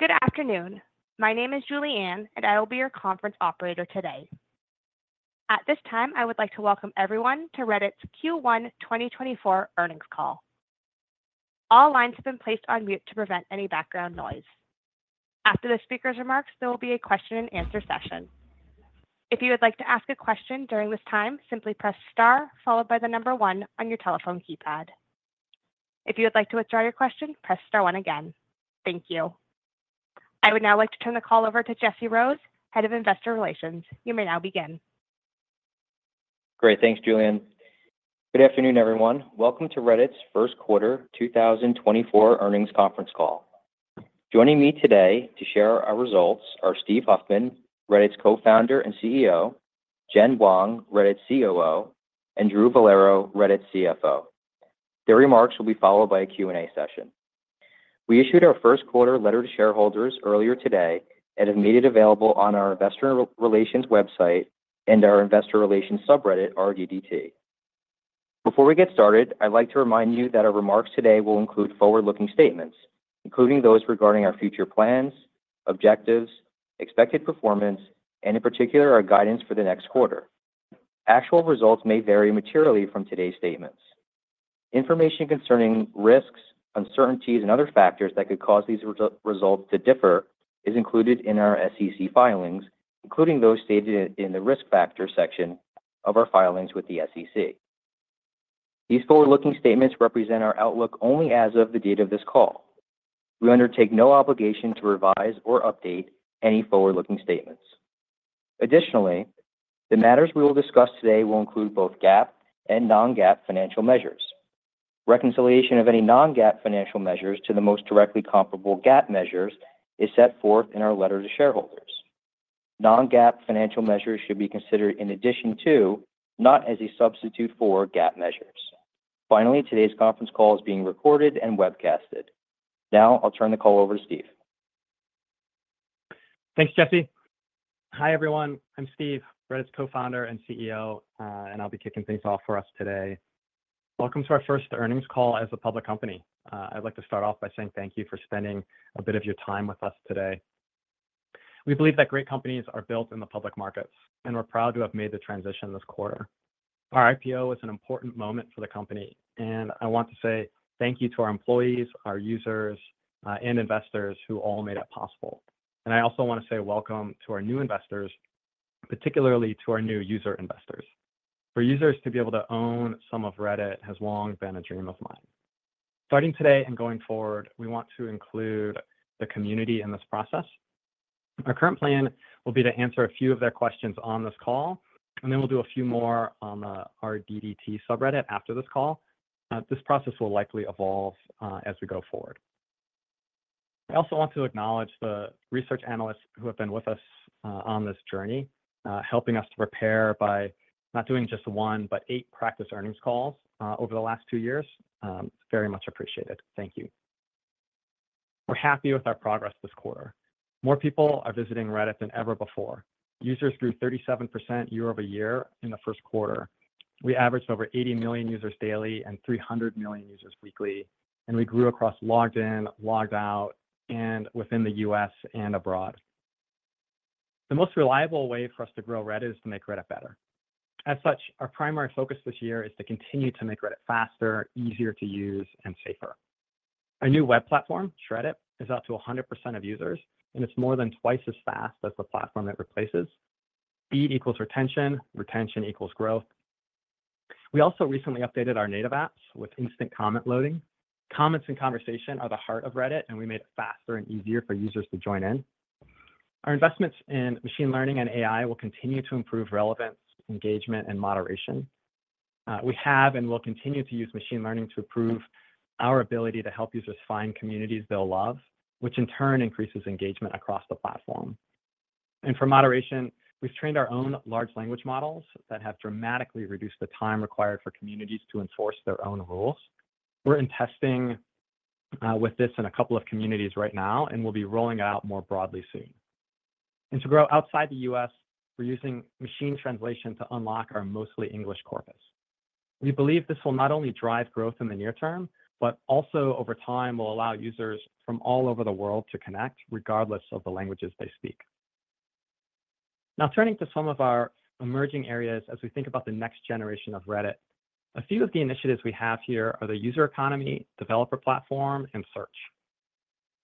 Good afternoon. My name is Julianne, and I will be your conference operator today. At this time, I would like to welcome everyone to Reddit's Q1 2024 earnings call. All lines have been placed on mute to prevent any background noise. After the speaker's remarks, there will be a question-and-answer session. If you would like to ask a question during this time, simply press star followed by the number one on your telephone keypad. If you would like to withdraw your question, press star one again. Thank you. I would now like to turn the call over to Jesse Rose, Head of Investor Relations. You may now begin. Great. Thanks, Julianne. Good afternoon, everyone. Welcome to Reddit's first quarter 2024 earnings conference call. Joining me today to share our results are Steve Huffman, Reddit's co-founder and CEO; Jen Wong, Reddit COO; and Drew Vollero, Reddit CFO. Their remarks will be followed by a Q&A session. We issued our first quarter letter to shareholders earlier today and have made it available on our investor relations website and our investor relations subreddit, r/RDDT. Before we get started, I'd like to remind you that our remarks today will include forward-looking statements, including those regarding our future plans, objectives, expected performance, and in particular our guidance for the next quarter. Actual results may vary materially from today's statements. Information concerning risks, uncertainties, and other factors that could cause these results to differ is included in our SEC filings, including those stated in the risk factors section of our filings with the SEC. These forward-looking statements represent our outlook only as of the date of this call. We undertake no obligation to revise or update any forward-looking statements. Additionally, the matters we will discuss today will include both GAAP and non-GAAP financial measures. Reconciliation of any non-GAAP financial measures to the most directly comparable GAAP measures is set forth in our letter to shareholders. Non-GAAP financial measures should be considered in addition to, not as a substitute for, GAAP measures. Finally, today's conference call is being recorded and webcasted. Now I'll turn the call over to Steve. Thanks, Jesse. Hi everyone. I'm Steve, Reddit's co-founder and CEO, and I'll be kicking things off for us today. Welcome to our first earnings call as a public company. I'd like to start off by saying thank you for spending a bit of your time with us today. We believe that great companies are built in the public markets, and we're proud to have made the transition this quarter. Our IPO was an important moment for the company, and I want to say thank you to our employees, our users, and investors who all made it possible. I also want to say welcome to our new investors, particularly to our new user investors. For users to be able to own some of Reddit has long been a dream of mine. Starting today and going forward, we want to include the community in this process. Our current plan will be to answer a few of their questions on this call, and then we'll do a few more on the RDDT subreddit after this call. This process will likely evolve as we go forward. I also want to acknowledge the research analysts who have been with us on this journey, helping us to prepare by not doing just one but eight practice earnings calls over the last two years. Very much appreciated. Thank you. We're happy with our progress this quarter. More people are visiting Reddit than ever before. Users grew 37% year-over-year in the first quarter. We averaged over 80 million users daily and 300 million users weekly, and we grew across logged in, logged out, and within the U.S. and abroad. The most reliable way for us to grow Reddit is to make Reddit better. As such, our primary focus this year is to continue to make Reddit faster, easier to use, and safer. Our new web platform, Shreddit, is out to 100% of users, and it's more than twice as fast as the platform it replaces. Speed equals retention. Retention equals growth. We also recently updated our native apps with instant comment loading. Comments and conversation are the heart of Reddit, and we made it faster and easier for users to join in. Our investments in machine learning and AI will continue to improve relevance, engagement, and moderation. We have and will continue to use machine learning to improve our ability to help users find communities they'll love, which in turn increases engagement across the platform. And for moderation, we've trained our own large language models that have dramatically reduced the time required for communities to enforce their own rules. We're in testing with this in a couple of communities right now, and we'll be rolling it out more broadly soon. To grow outside the U.S., we're using machine translation to unlock our mostly English corpus. We believe this will not only drive growth in the near term, but also over time will allow users from all over the world to connect regardless of the languages they speak. Now turning to some of our emerging areas as we think about the next generation of Reddit, a few of the initiatives we have here are the user economy, developer platform, and search.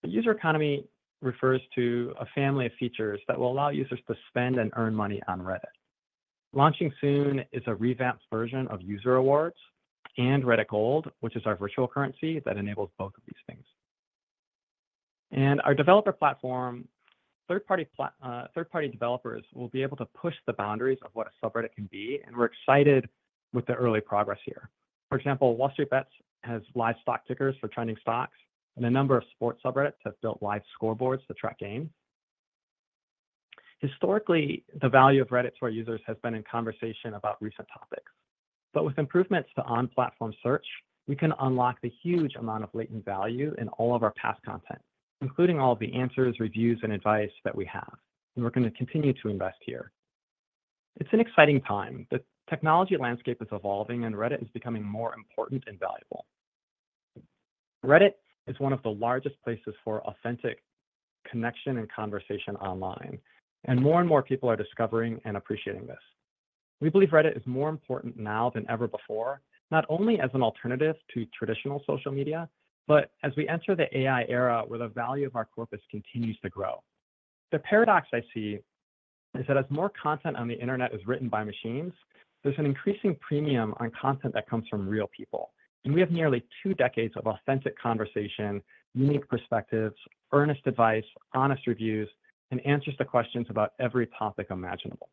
The user economy refers to a family of features that will allow users to spend and earn money on Reddit. Launching soon is a revamped version of User Awards and Reddit Gold, which is our virtual currency that enables both of these things. Our developer platform, third-party developers will be able to push the boundaries of what a subreddit can be, and we're excited with the early progress here. For example, Wall Street Bets has live stock tickers for trending stocks, and a number of sports subreddits have built live scoreboards to track games. Historically, the value of Reddit to our users has been in conversation about recent topics. But with improvements to on-platform search, we can unlock the huge amount of latent value in all of our past content, including all of the answers, reviews, and advice that we have. We're going to continue to invest here. It's an exciting time. The technology landscape is evolving, and Reddit is becoming more important and valuable. Reddit is one of the largest places for authentic connection and conversation online, and more and more people are discovering and appreciating this. We believe Reddit is more important now than ever before, not only as an alternative to traditional social media, but as we enter the AI era where the value of our corpus continues to grow. The paradox I see is that as more content on the internet is written by machines, there's an increasing premium on content that comes from real people. We have nearly two decades of authentic conversation, unique perspectives, earnest advice, honest reviews, and answers to questions about every topic imaginable.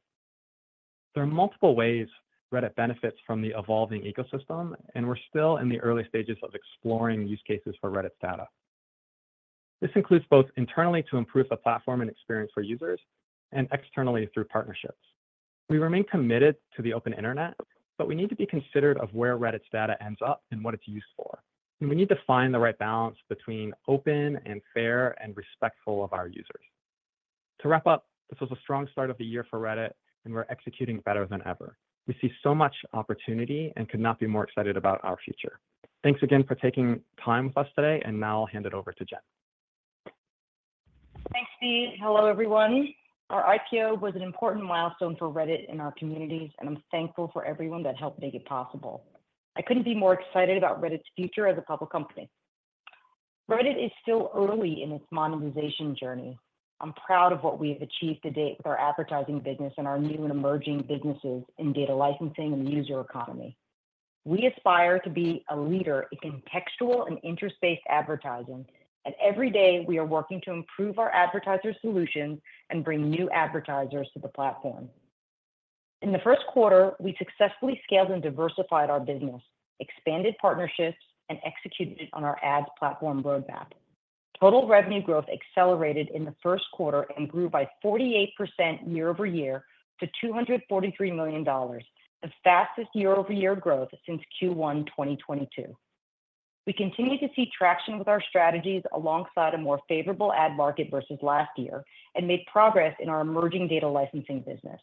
There are multiple ways Reddit benefits from the evolving ecosystem, and we're still in the early stages of exploring use cases for Reddit's data. This includes both internally to improve the platform and experience for users, and externally through partnerships. We remain committed to the open internet, but we need to be considerate of where Reddit's data ends up and what it's used for. We need to find the right balance between open and fair and respectful of our users. To wrap up, this was a strong start of the year for Reddit, and we're executing better than ever. We see so much opportunity and could not be more excited about our future. Thanks again for taking time with us today, and now I'll hand it over to Jen. Thanks, Steve. Hello, everyone. Our IPO was an important milestone for Reddit and our communities, and I'm thankful for everyone that helped make it possible. I couldn't be more excited about Reddit's future as a public company. Reddit is still early in its monetization journey. I'm proud of what we have achieved to date with our advertising business and our new and emerging businesses in data licensing and the user economy. We aspire to be a leader in contextual and interspaced advertising, and every day we are working to improve our advertiser solutions and bring new advertisers to the platform. In the first quarter, we successfully scaled and diversified our business, expanded partnerships, and executed it on our ads platform roadmap. Total revenue growth accelerated in the first quarter and grew by 48% year-over-year to $243 million, the fastest year-over-year growth since Q1 2022. We continue to see traction with our strategies alongside a more favorable ad market versus last year and made progress in our emerging data licensing business.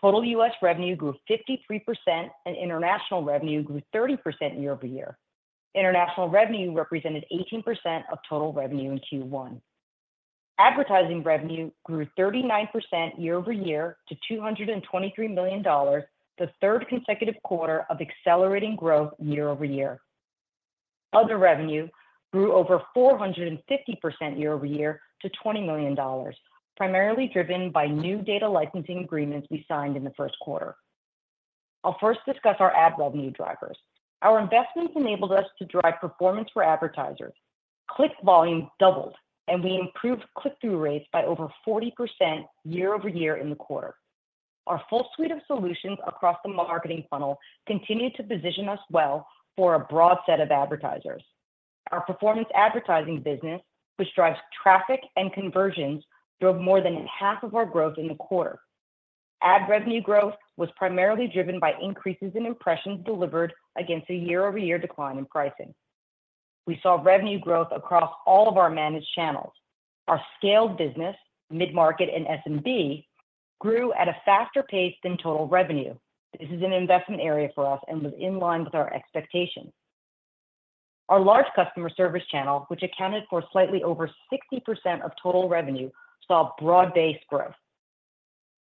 Total U.S. revenue grew 53%, and international revenue grew 30% year-over-year. International revenue represented 18% of total revenue in Q1. Advertising revenue grew 39% year-over-year to $223 million, the third consecutive quarter of accelerating growth year-over-year. Other revenue grew over 450% year-over-year to $20 million, primarily driven by new data licensing agreements we signed in the first quarter. I'll first discuss our ad revenue drivers. Our investments enabled us to drive performance for advertisers. Click volume doubled, and we improved click-through rates by over 40% year-over-year in the quarter. Our full suite of solutions across the marketing funnel continued to position us well for a broad set of advertisers. Our performance advertising business, which drives traffic and conversions, drove more than half of our growth in the quarter. Ad revenue growth was primarily driven by increases in impressions delivered against a year-over-year decline in pricing. We saw revenue growth across all of our managed channels. Our scaled business, mid-market, and SMB grew at a faster pace than total revenue. This is an investment area for us and was in line with our expectations. Our large customer service channel, which accounted for slightly over 60% of total revenue, saw broad-based growth.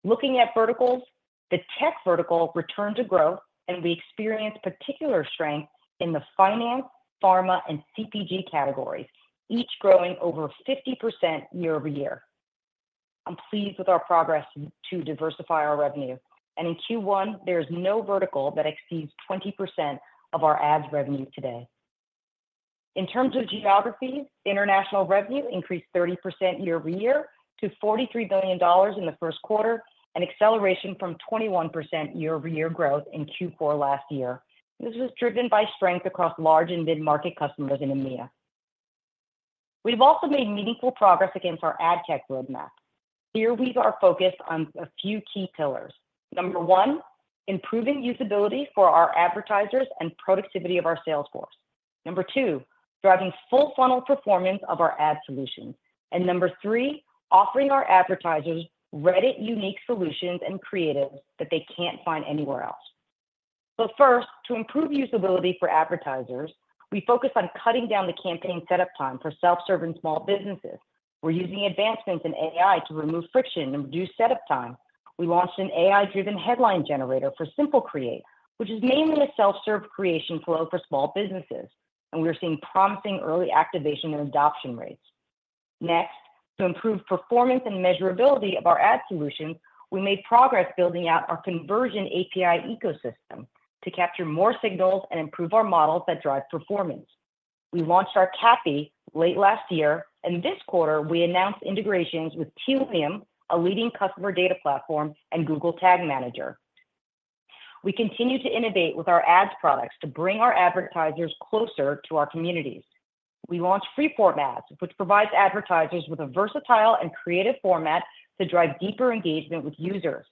Looking at verticals, the tech vertical returned to growth, and we experienced particular strength in the finance, pharma, and CPG categories, each growing over 50% year-over-year. I'm pleased with our progress to diversify our revenue, and in Q1, there is no vertical that exceeds 20% of our ads revenue today. In terms of geography, international revenue increased 30% year-over-year to $43 million in the first quarter and acceleration from 21% year-over-year growth in Q4 last year. This was driven by strength across large and mid-market customers in EMEA. We've also made meaningful progress against our ad tech roadmap. Here we are focused on a few key pillars. Number one, improving usability for our advertisers and productivity of our salesforce. Number two, driving full-funnel performance of our ad solutions. Number three, offering our advertisers Reddit-unique solutions and creatives that they can't find anywhere else. But first, to improve usability for advertisers, we focused on cutting down the campaign setup time for self-serve small businesses. We're using advancements in AI to remove friction and reduce setup time. We launched an AI-driven headline generator for Simple Create, which is mainly a self-serve creation flow for small businesses, and we are seeing promising early activation and adoption rates. Next, to improve performance and measurability of our ad solutions, we made progress building out our conversion API ecosystem to capture more signals and improve our models that drive performance. We launched our CAPI late last year, and this quarter we announced integrations with Tealium, a leading customer data platform, and Google Tag Manager. We continue to innovate with our ads products to bring our advertisers closer to our communities. We launched Free-Form Ads, which provides advertisers with a versatile and creative format to drive deeper engagement with users.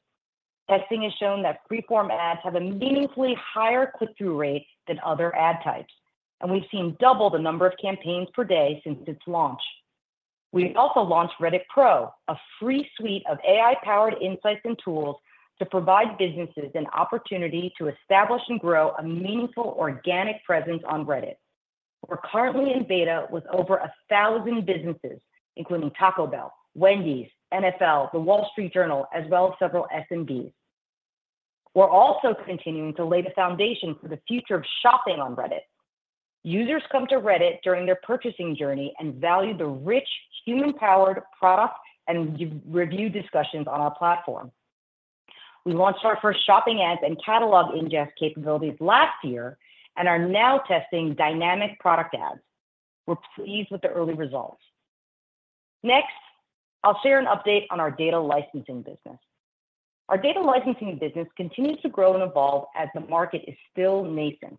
Testing has shown that Free-Form Ads have a meaningfully higher click-through rate than other ad types, and we've seen double the number of campaigns per day since its launch. We also launched Reddit Pro, a free suite of AI-powered insights and tools to provide businesses an opportunity to establish and grow a meaningful organic presence on Reddit. We're currently in beta with over 1,000 businesses, including Taco Bell, Wendy's, NFL, The Wall Street Journal, as well as several SMBs. We're also continuing to lay the foundation for the future of shopping on Reddit. Users come to Reddit during their purchasing journey and value the rich, human-powered product and review discussions on our platform. We launched our first shopping ads and catalog ingest capabilities last year and are now testing dynamic product ads. We're pleased with the early results. Next, I'll share an update on our data licensing business. Our data licensing business continues to grow and evolve as the market is still nascent.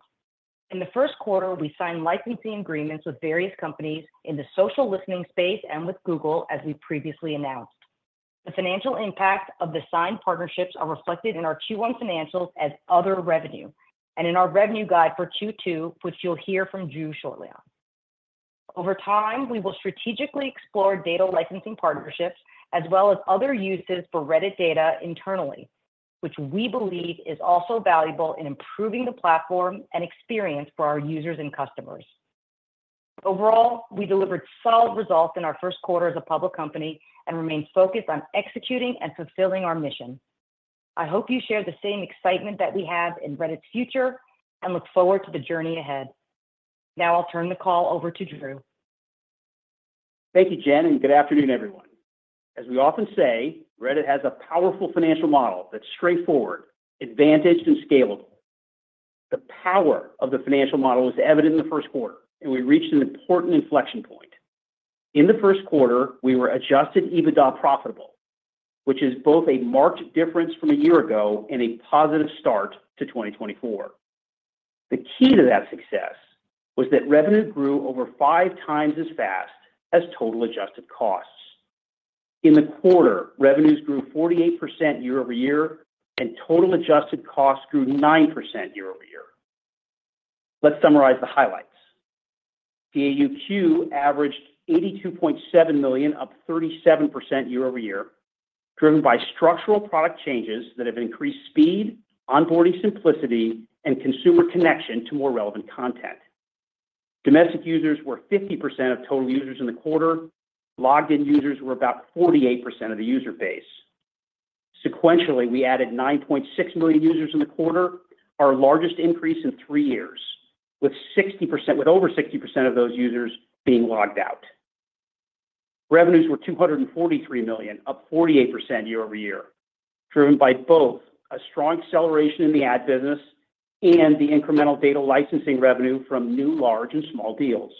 In the first quarter, we signed licensing agreements with various companies in the social listening space and with Google, as we previously announced. The financial impact of the signed partnerships is reflected in our Q1 financials as other revenue and in our revenue guide for Q2, which you'll hear from Drew shortly on. Over time, we will strategically explore data licensing partnerships as well as other uses for Reddit data internally, which we believe is also valuable in improving the platform and experience for our users and customers. Overall, we delivered solid results in our first quarter as a public company and remain focused on executing and fulfilling our mission. I hope you share the same excitement that we have in Reddit's future and look forward to the journey ahead. Now I'll turn the call over to Drew. Thank you, Jen, and good afternoon, everyone. As we often say, Reddit has a powerful financial model that's straightforward, advantaged, and scalable. The power of the financial model was evident in the first quarter, and we reached an important inflection point. In the first quarter, we were Adjusted EBITDA profitable, which is both a marked difference from a year ago and a positive start to 2024. The key to that success was that revenue grew over five times as fast as total adjusted costs. In the quarter, revenues grew 48% year-over-year, and total adjusted costs grew 9% year-over-year. Let's summarize the highlights. DAUQ averaged 82.7 million, up 37% year-over-year, driven by structural product changes that have increased speed, onboarding simplicity, and consumer connection to more relevant content. Domestic users were 50% of total users in the quarter. Logged-in users were about 48% of the user base. Sequentially, we added 9.6 million users in the quarter, our largest increase in three years, with over 60% of those users being logged out. Revenues were $243 million, up 48% year-over-year, driven by both a strong acceleration in the ad business and the incremental data licensing revenue from new large and small deals.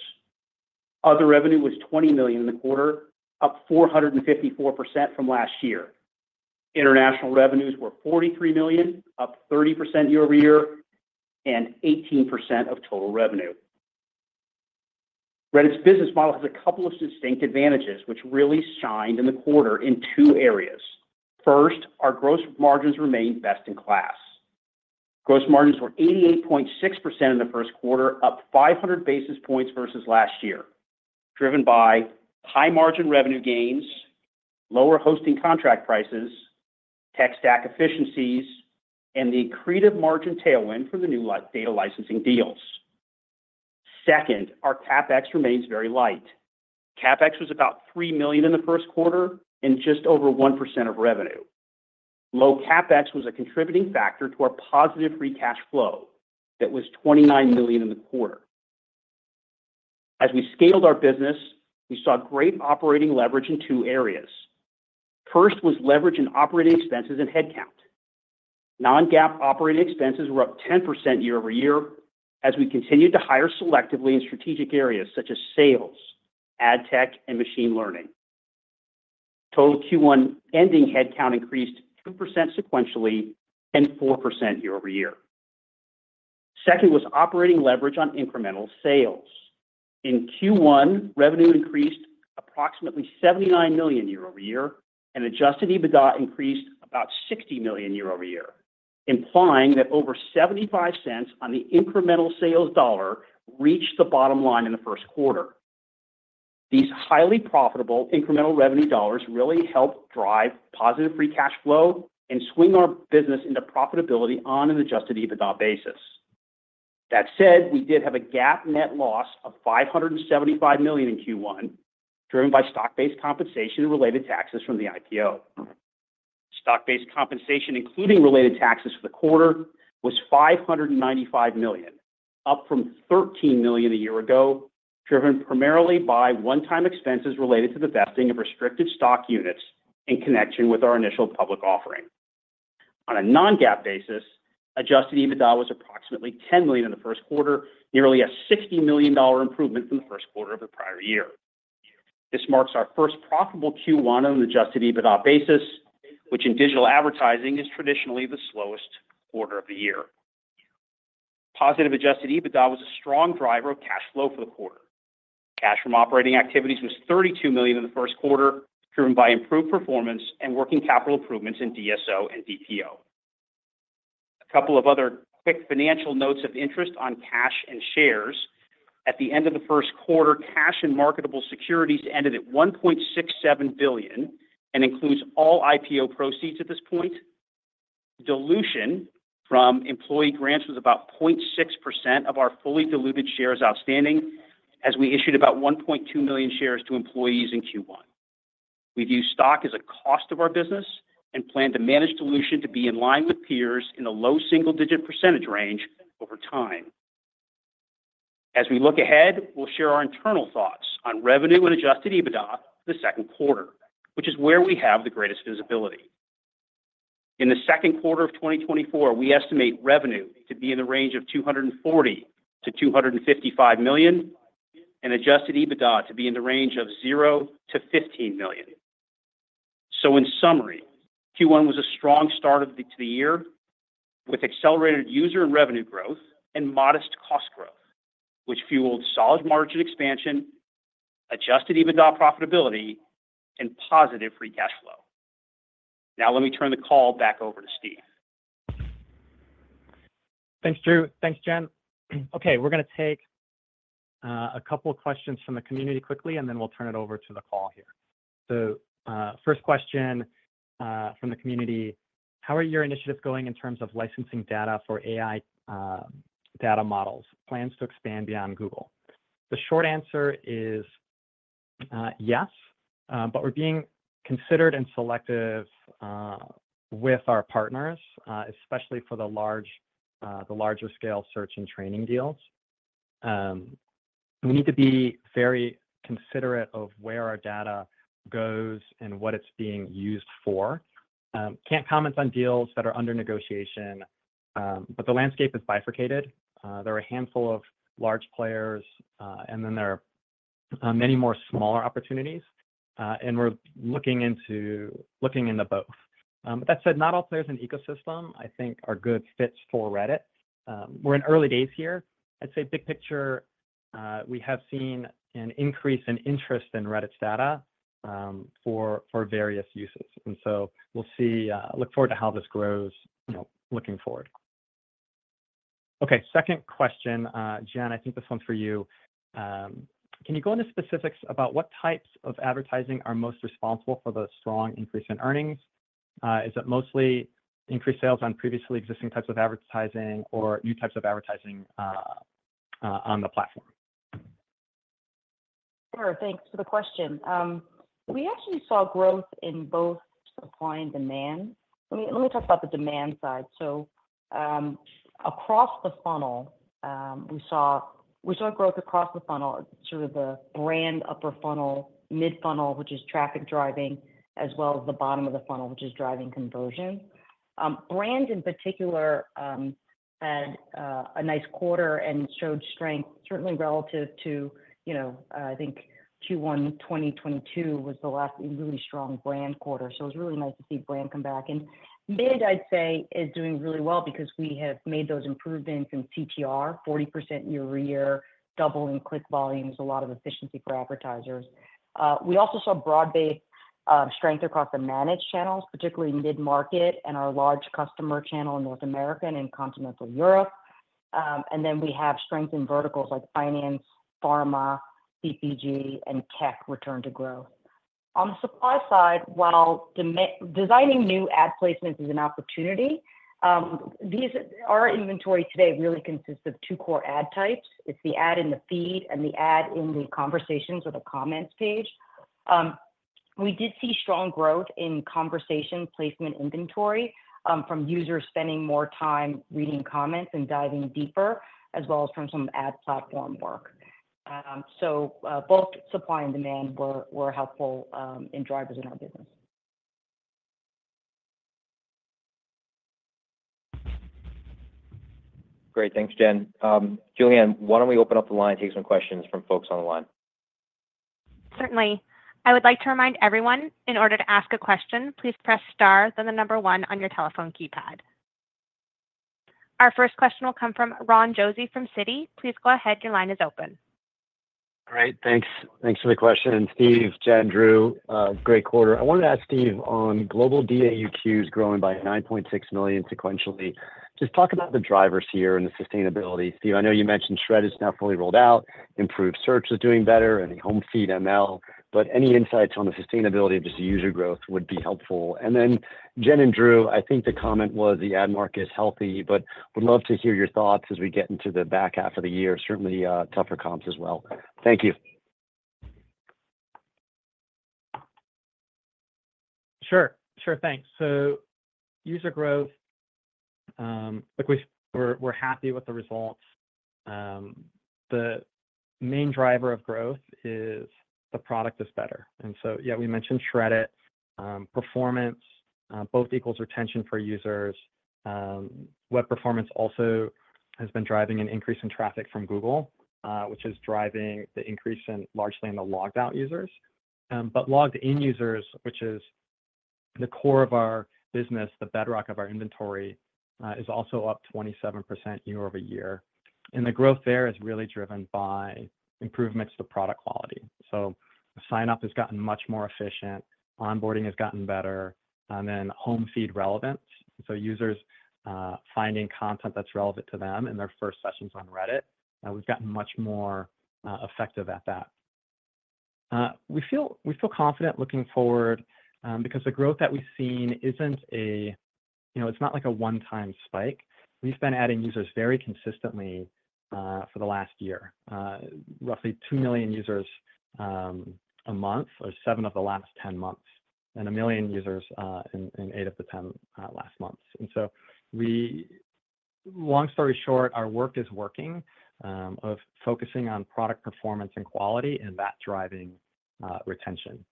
Other revenue was $20 million in the quarter, up 454% from last year. International revenues were $43 million, up 30% year-over-year, and 18% of total revenue. Reddit's business model has a couple of distinct advantages, which really shined in the quarter in two areas. First, our gross margins remain best in class. Gross margins were 88.6% in the first quarter, up 500 basis points versus last year, driven by high-margin revenue gains, lower hosting contract prices, tech stack efficiencies, and the creative margin tailwind from the new data licensing deals. Second, our CapEx remains very light. CapEx was about $3 million in the first quarter and just over 1% of revenue. Low CapEx was a contributing factor to our positive free cash flow that was $29 million in the quarter. As we scaled our business, we saw great operating leverage in two areas. First was leverage in operating expenses and headcount. non-GAAP operating expenses were up 10% year-over-year as we continued to hire selectively in strategic areas such as sales, ad tech, and machine learning. Total Q1 ending headcount increased 2% sequentially and 4% year-over-year. Second was operating leverage on incremental sales. In Q1, revenue increased approximately $79 million year-over-year, and Adjusted EBITDA increased about $60 million year-over-year, implying that over $0.75 on the incremental sales dollar reached the bottom line in the first quarter. These highly profitable incremental revenue dollars really helped drive positive free cash flow and swing our business into profitability on an Adjusted EBITDA basis. That said, we did have a GAAP net loss of $575 million in Q1, driven by stock-based compensation and related taxes from the IPO. Stock-based compensation, including related taxes for the quarter, was $595 million, up from $13 million a year ago, driven primarily by one-time expenses related to the vesting of restricted stock units in connection with our initial public offering. On a non-GAAP basis, Adjusted EBITDA was approximately $10 million in the first quarter, nearly a $60 million improvement from the first quarter of the prior year. This marks our first profitable Q1 on an Adjusted EBITDA basis, which in digital advertising is traditionally the slowest quarter of the year. Positive Adjusted EBITDA was a strong driver of cash flow for the quarter. Cash from operating activities was $32 million in the first quarter, driven by improved performance and working capital improvements in DSO and DPO. A couple of other quick financial notes of interest on cash and shares. At the end of the first quarter, cash and marketable securities ended at $1.67 billion and includes all IPO proceeds at this point. Dilution from employee grants was about 0.6% of our fully diluted shares outstanding as we issued about 1.2 million shares to employees in Q1. We view stock as a cost of our business and plan to manage dilution to be in line with peers in a low single-digit percentage range over time. As we look ahead, we'll share our internal thoughts on revenue and Adjusted EBITDA for the second quarter, which is where we have the greatest visibility. In the second quarter of 2024, we estimate revenue to be in the range of $240 million-$255 million and Adjusted EBITDA to be in the range of $0-$15 million. So in summary, Q1 was a strong start to the year with accelerated user and revenue growth and modest cost growth, which fueled solid margin expansion, Adjusted EBITDA profitability, and positive free cash flow. Now let me turn the call back over to Steve. Thanks, Drew. Thanks, Jen. Okay, we're going to take a couple of questions from the community quickly, and then we'll turn it over to the call here. So first question from the community: How are your initiatives going in terms of licensing data for AI data models, plans to expand beyond Google? The short answer is yes, but we're being considerate and selective with our partners, especially for the larger-scale search and training deals. We need to be very considerate of where our data goes and what it's being used for. Can't comment on deals that are under negotiation, but the landscape is bifurcated. There are a handful of large players, and then there are many more smaller opportunities, and we're looking into both. But that said, not all players in the ecosystem, I think, are good fits for Reddit. We're in early days here. I'd say big picture, we have seen an increase in interest in Reddit's data for various uses, and so we'll see, look forward to how this grows looking forward. Okay, second question, Jen, I think this one's for you. Can you go into specifics about what types of advertising are most responsible for the strong increase in earnings? Is it mostly increased sales on previously existing types of advertising or new types of advertising on the platform? Sure. Thanks for the question. We actually saw growth in both supply and demand. Let me talk about the demand side. So across the funnel, we saw growth across the funnel, through the brand upper funnel, mid-funnel, which is traffic driving, as well as the bottom of the funnel, which is driving conversion. Brand, in particular, had a nice quarter and showed strength, certainly relative to, I think Q1 2022 was the last really strong brand quarter, so it was really nice to see brand come back. And mid, I'd say, is doing really well because we have made those improvements in CTR, 40% year-over-year, doubling click volumes, a lot of efficiency for advertisers. We also saw broad-based strength across the managed channels, particularly mid-market and our large customer channel in North America and in continental Europe. And then we have strength in verticals like finance, pharma, CPG, and tech return to growth. On the supply side, while designing new ad placements is an opportunity, our inventory today really consists of two core ad types. It's the ad in the feed and the ad in the conversations or the comments page. We did see strong growth in conversation placement inventory from users spending more time reading comments and diving deeper, as well as from some ad platform work. So both supply and demand were helpful in drivers in our business. Great. Thanks, Jen. Julianne, why don't we open up the line and take some questions from folks on the line? Certainly. I would like to remind everyone, in order to ask a question, please press star, then the number one on your telephone keypad. Our first question will come from Ron Josey from Citi. Please go ahead. Your line is open. Great. Thanks. Thanks for the question. Steve, Jen, Drew, great quarter. I wanted to ask Steve on global DAUQs growing by 9.6 million sequentially. Just talk about the drivers here and the sustainability. Steve, I know you mentioned Shreddit is now fully rolled out, improved search is doing better, and the home feed ML, but any insights on the sustainability of just user growth would be helpful. And then Jen and Drew, I think the comment was the ad market is healthy, but would love to hear your thoughts as we get into the back half of the year, certainly tougher comps as well. Thank you. Sure. Sure. Thanks. So user growth, we're happy with the results. The main driver of growth is the product is better. And so yeah, we mentioned Shreddit. Performance both equals retention for users. Web performance also has been driving an increase in traffic from Google, which is driving the increase largely in the logged-out users. But logged-in users, which is the core of our business, the bedrock of our inventory, is also up 27% year-over-year. And the growth there is really driven by improvements to product quality. So sign-up has gotten much more efficient, onboarding has gotten better, and then home feed relevance, so users finding content that's relevant to them in their first sessions on Reddit. We've gotten much more effective at that. We feel confident looking forward because the growth that we've seen isn't a, it's not like a one-time spike. We've been adding users very consistently for the last year, roughly 2 million users a month or 7 of the last 10 months and 1 million users in 8 of the 10 last months. And so long story short, our work is working of focusing on product performance and quality and that driving retention.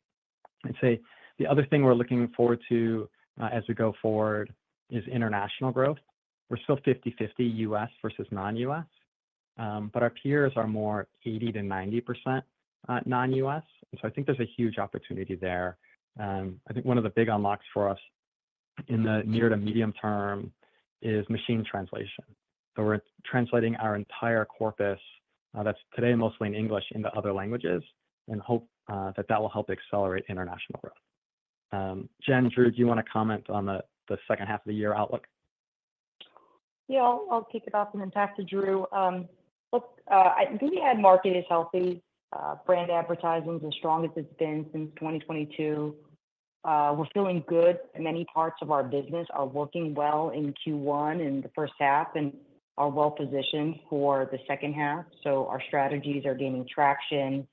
I'd say the other thing we're looking forward to as we go forward is international growth. We're still 50/50 US versus non-US, but our peers are more 80%-90% non-US. And so I think there's a huge opportunity there. I think one of the big unlocks for us in the near to medium term is machine translation. So we're translating our entire corpus that's today mostly in English into other languages and hope that that will help accelerate international growth. Jen, Drew, do you want to comment on the second half of the year outlook? Yeah. I'll kick it off and then pass to Drew. I think the ad market is healthy. Brand advertising is as strong as it's been since 2022. We're feeling good. Many parts of our business are working well in Q1 and the first half and are well positioned for the second half. So our strategies are gaining traction.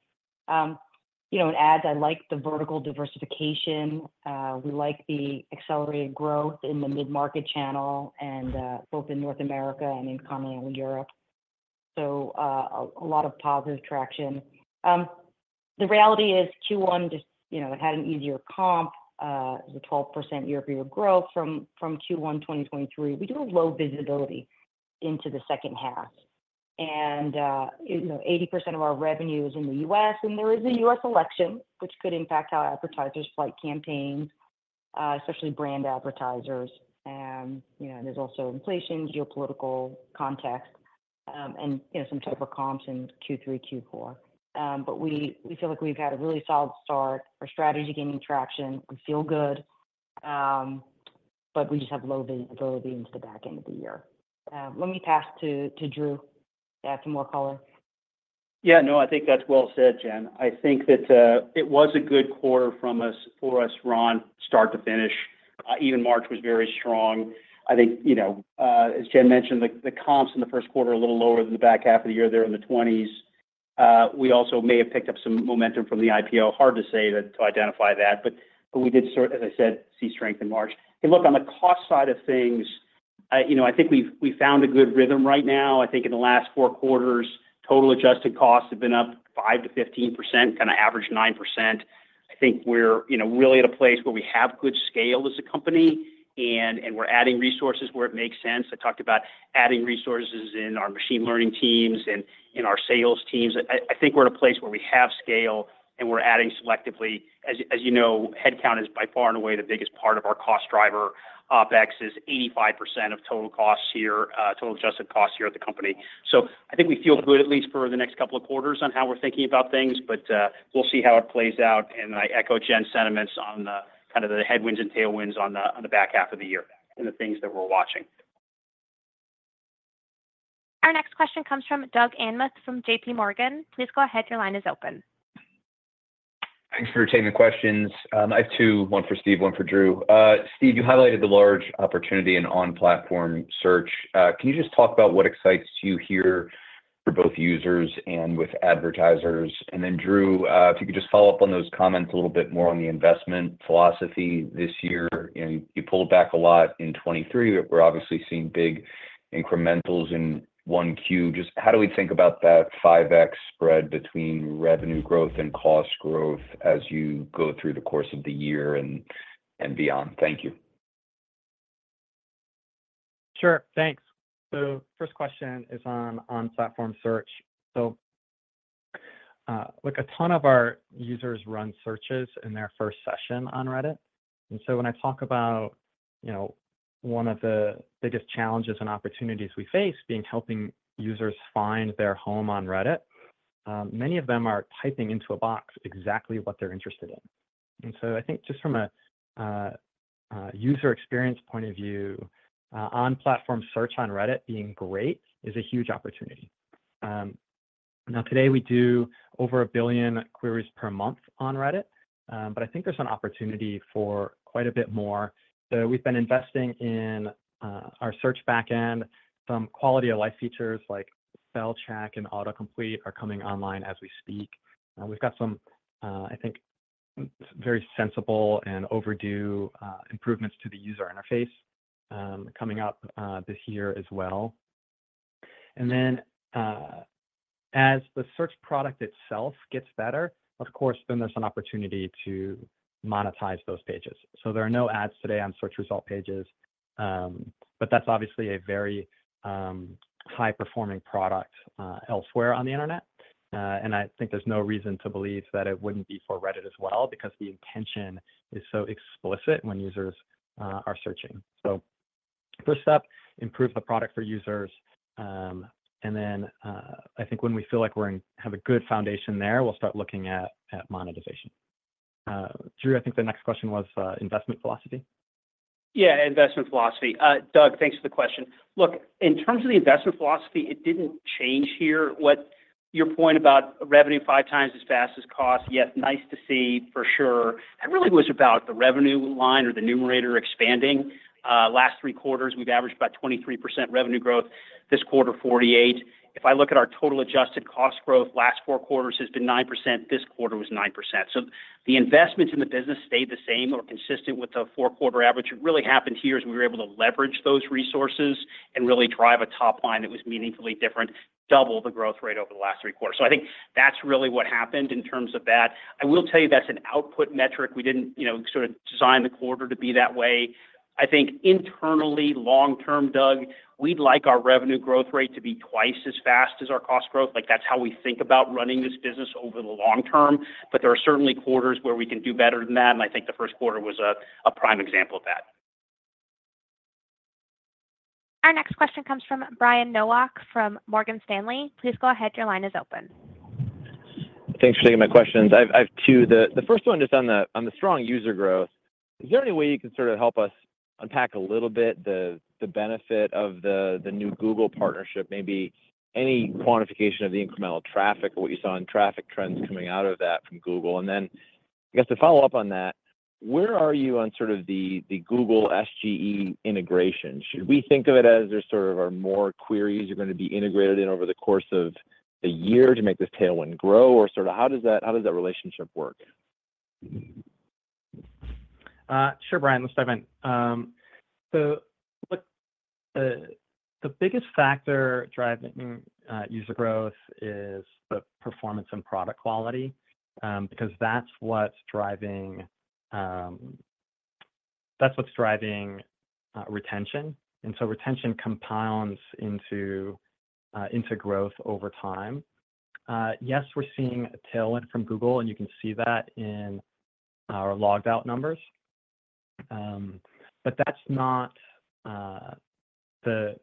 In ads, I like the vertical diversification. We like the accelerated growth in the mid-market channel and both in North America and in continental Europe. So a lot of positive traction. The reality is Q1 just had an easier comp. It was a 12% year-over-year growth from Q1 2023. We do have low visibility into the second half. And 80% of our revenue is in the U.S. And there is a U.S. election, which could impact how advertisers flight campaigns, especially brand advertisers. There's also inflation, geopolitical context, and some type of comps in Q3, Q4. We feel like we've had a really solid start. Our strategy is gaining traction. We feel good, but we just have low visibility into the back end of the year. Let me pass to Drew to add some more color. Yeah. No, I think that's well said, Jen. I think that it was a good quarter for us, Ron, start to finish. Even March was very strong. I think, as Jen mentioned, the comps in the first quarter are a little lower than the back half of the year. They're in the 20s. We also may have picked up some momentum from the IPO. Hard to say to identify that, but we did, as I said, see strength in March. And look, on the cost side of things, I think we found a good rhythm right now. I think in the last four quarters, total adjusted costs have been up 5%-15%, kind of average 9%. I think we're really at a place where we have good scale as a company, and we're adding resources where it makes sense. I talked about adding resources in our machine learning teams and in our sales teams. I think we're at a place where we have scale, and we're adding selectively. As you know, headcount is by far and away the biggest part of our cost driver. OpEx is 85% of total costs here, total adjusted costs here at the company. So I think we feel good, at least for the next couple of quarters, on how we're thinking about things, but we'll see how it plays out. And I echo Jen's sentiments on kind of the headwinds and tailwinds on the back half of the year and the things that we're watching. Our next question comes from Doug Anmuth from JPMorgan. Please go ahead. Your line is open. Thanks for taking the questions. I have two, one for Steve, one for Drew. Steve, you highlighted the large opportunity in on-platform search. Can you just talk about what excites you here for both users and with advertisers? And then Drew, if you could just follow up on those comments a little bit more on the investment philosophy this year. You pulled back a lot in 2023. We're obviously seeing big incrementals in Q1. Just how do we think about that 5x spread between revenue growth and cost growth as you go through the course of the year and beyond? Thank you. Sure. Thanks. So first question is on-platform search. So a ton of our users run searches in their first session on Reddit. And so when I talk about one of the biggest challenges and opportunities we face being helping users find their home on Reddit, many of them are typing into a box exactly what they're interested in. And so I think just from a user experience point of view, on-platform search on Reddit being great is a huge opportunity. Now, today, we do over 1 billion queries per month on Reddit, but I think there's an opportunity for quite a bit more. So we've been investing in our search backend. Some quality-of-life features like spell check and autocomplete are coming online as we speak. We've got some, I think, very sensible and overdue improvements to the user interface coming up this year as well. And then as the search product itself gets better, of course, then there's an opportunity to monetize those pages. So there are no ads today on search result pages, but that's obviously a very high-performing product elsewhere on the internet. And I think there's no reason to believe that it wouldn't be for Reddit as well because the intention is so explicit when users are searching. So first step, improve the product for users. And then I think when we feel like we have a good foundation there, we'll start looking at monetization. Drew, I think the next question was investment philosophy. Yeah, investment philosophy. Doug, thanks for the question. Look, in terms of the investment philosophy, it didn't change here. Your point about revenue 5x as fast as cost, yes, nice to see for sure, that really was about the revenue line or the numerator expanding. Last three quarters, we've averaged about 23% revenue growth. This quarter, 48%. If I look at our total adjusted cost growth, last four quarters has been 9%. This quarter was 9%. So the investments in the business stayed the same or consistent with the four quarter average. What really happened here is we were able to leverage those resources and really drive a top line that was meaningfully different, double the growth rate over the last three quarters. So I think that's really what happened in terms of that. I will tell you that's an output metric. We didn't sort of design the quarter to be that way. I think internally, long-term, Doug, we'd like our revenue growth rate to be twice as fast as our cost growth. That's how we think about running this business over the long term. But there are certainly quarters where we can do better than that. And I think the first quarter was a prime example of that. Our next question comes from Brian Nowak from Morgan Stanley. Please go ahead. Your line is open. Thanks for taking my questions. I have two. The first one just on the strong user growth, is there any way you can sort of help us unpack a little bit the benefit of the new Google partnership, maybe any quantification of the incremental traffic or what you saw in traffic trends coming out of that from Google? And then I guess to follow up on that, where are you on sort of the Google SGE integration? Should we think of it as there's sort of more queries you're going to be integrated in over the course of the year to make this tailwind grow, or sort of how does that relationship work? Sure, Brian. Let's dive in. So look, the biggest factor driving user growth is the performance and product quality because that's what's driving retention. And so retention compounds into growth over time. Yes, we're seeing a tailwind from Google, and you can see that in our logged-out numbers. But that's not the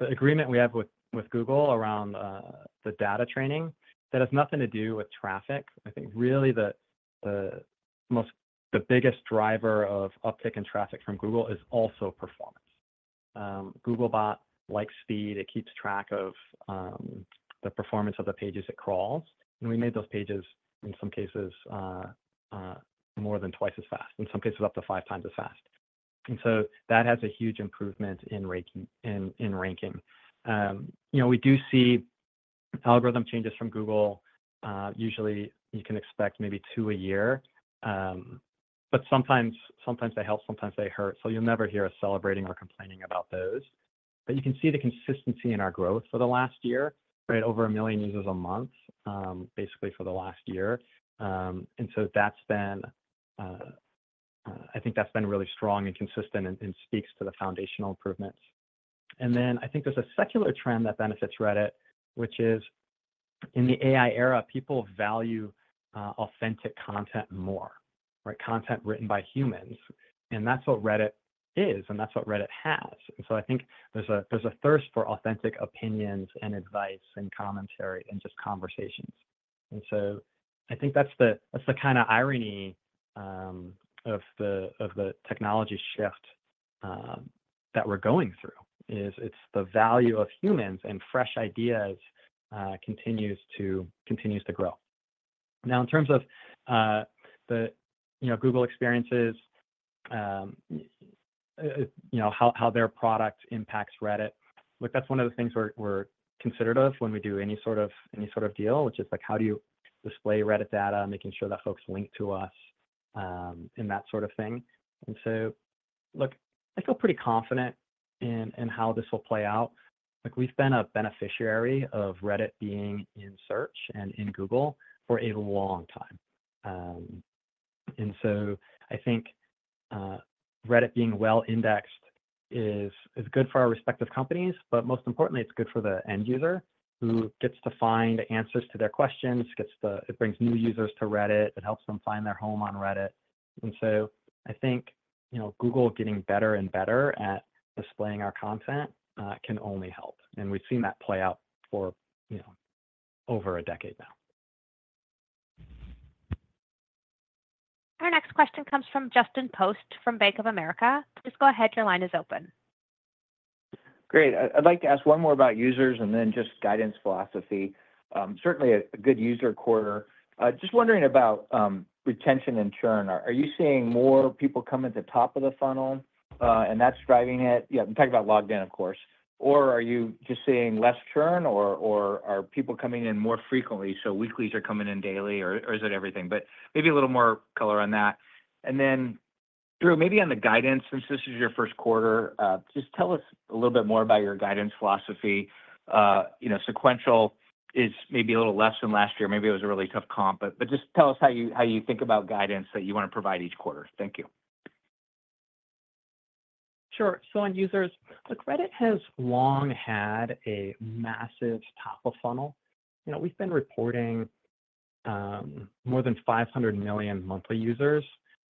agreement we have with Google around the data training. That has nothing to do with traffic. I think really the biggest driver of uptick in traffic from Google is also performance. Googlebot likes speed. It keeps track of the performance of the pages it crawls. And we made those pages, in some cases, more than twice as fast, in some cases, up to five times as fast. And so that has a huge improvement in ranking. We do see algorithm changes from Google. Usually, you can expect maybe two a year. But sometimes they help. Sometimes they hurt. So you'll never hear us celebrating or complaining about those. But you can see the consistency in our growth for the last year, right, over 1 million users a month, basically for the last year. And so I think that's been really strong and consistent and speaks to the foundational improvements. And then I think there's a secular trend that benefits Reddit, which is in the AI era, people value authentic content more, right, content written by humans. And that's what Reddit is, and that's what Reddit has. And so I think there's a thirst for authentic opinions and advice and commentary and just conversations. And so I think that's the kind of irony of the technology shift that we're going through, is it's the value of humans and fresh ideas continues to grow. Now, in terms of the Google experiences, how their product impacts Reddit, look, that's one of the things we're considerate when we do any sort of deal, which is how do you display Reddit data, making sure that folks link to us, and that sort of thing. And so look, I feel pretty confident in how this will play out. We've been a beneficiary of Reddit being in search and in Google for a long time. And so I think Reddit being well-indexed is good for our respective companies, but most importantly, it's good for the end user who gets to find answers to their questions. It brings new users to Reddit. It helps them find their home on Reddit. And so I think Google getting better and better at displaying our content can only help. And we've seen that play out for over a decade now. Our next question comes from Justin Post from Bank of America. Please go ahead. Your line is open. Great. I'd like to ask one more about users and then just guidance philosophy. Certainly a good user quarter. Just wondering about retention and churn. Are you seeing more people come at the top of the funnel, and that's driving it? Yeah, I'm talking about logged in, of course. Or are you just seeing less churn, or are people coming in more frequently? So weeklies are coming in daily, or is it everything? But maybe a little more color on that. And then Drew, maybe on the guidance, since this is your first quarter, just tell us a little bit more about your guidance philosophy. Sequential is maybe a little less than last year. Maybe it was a really tough comp. But just tell us how you think about guidance that you want to provide each quarter. Thank you. Sure. So on users, look, Reddit has long had a massive top of funnel. We've been reporting more than 500 million monthly users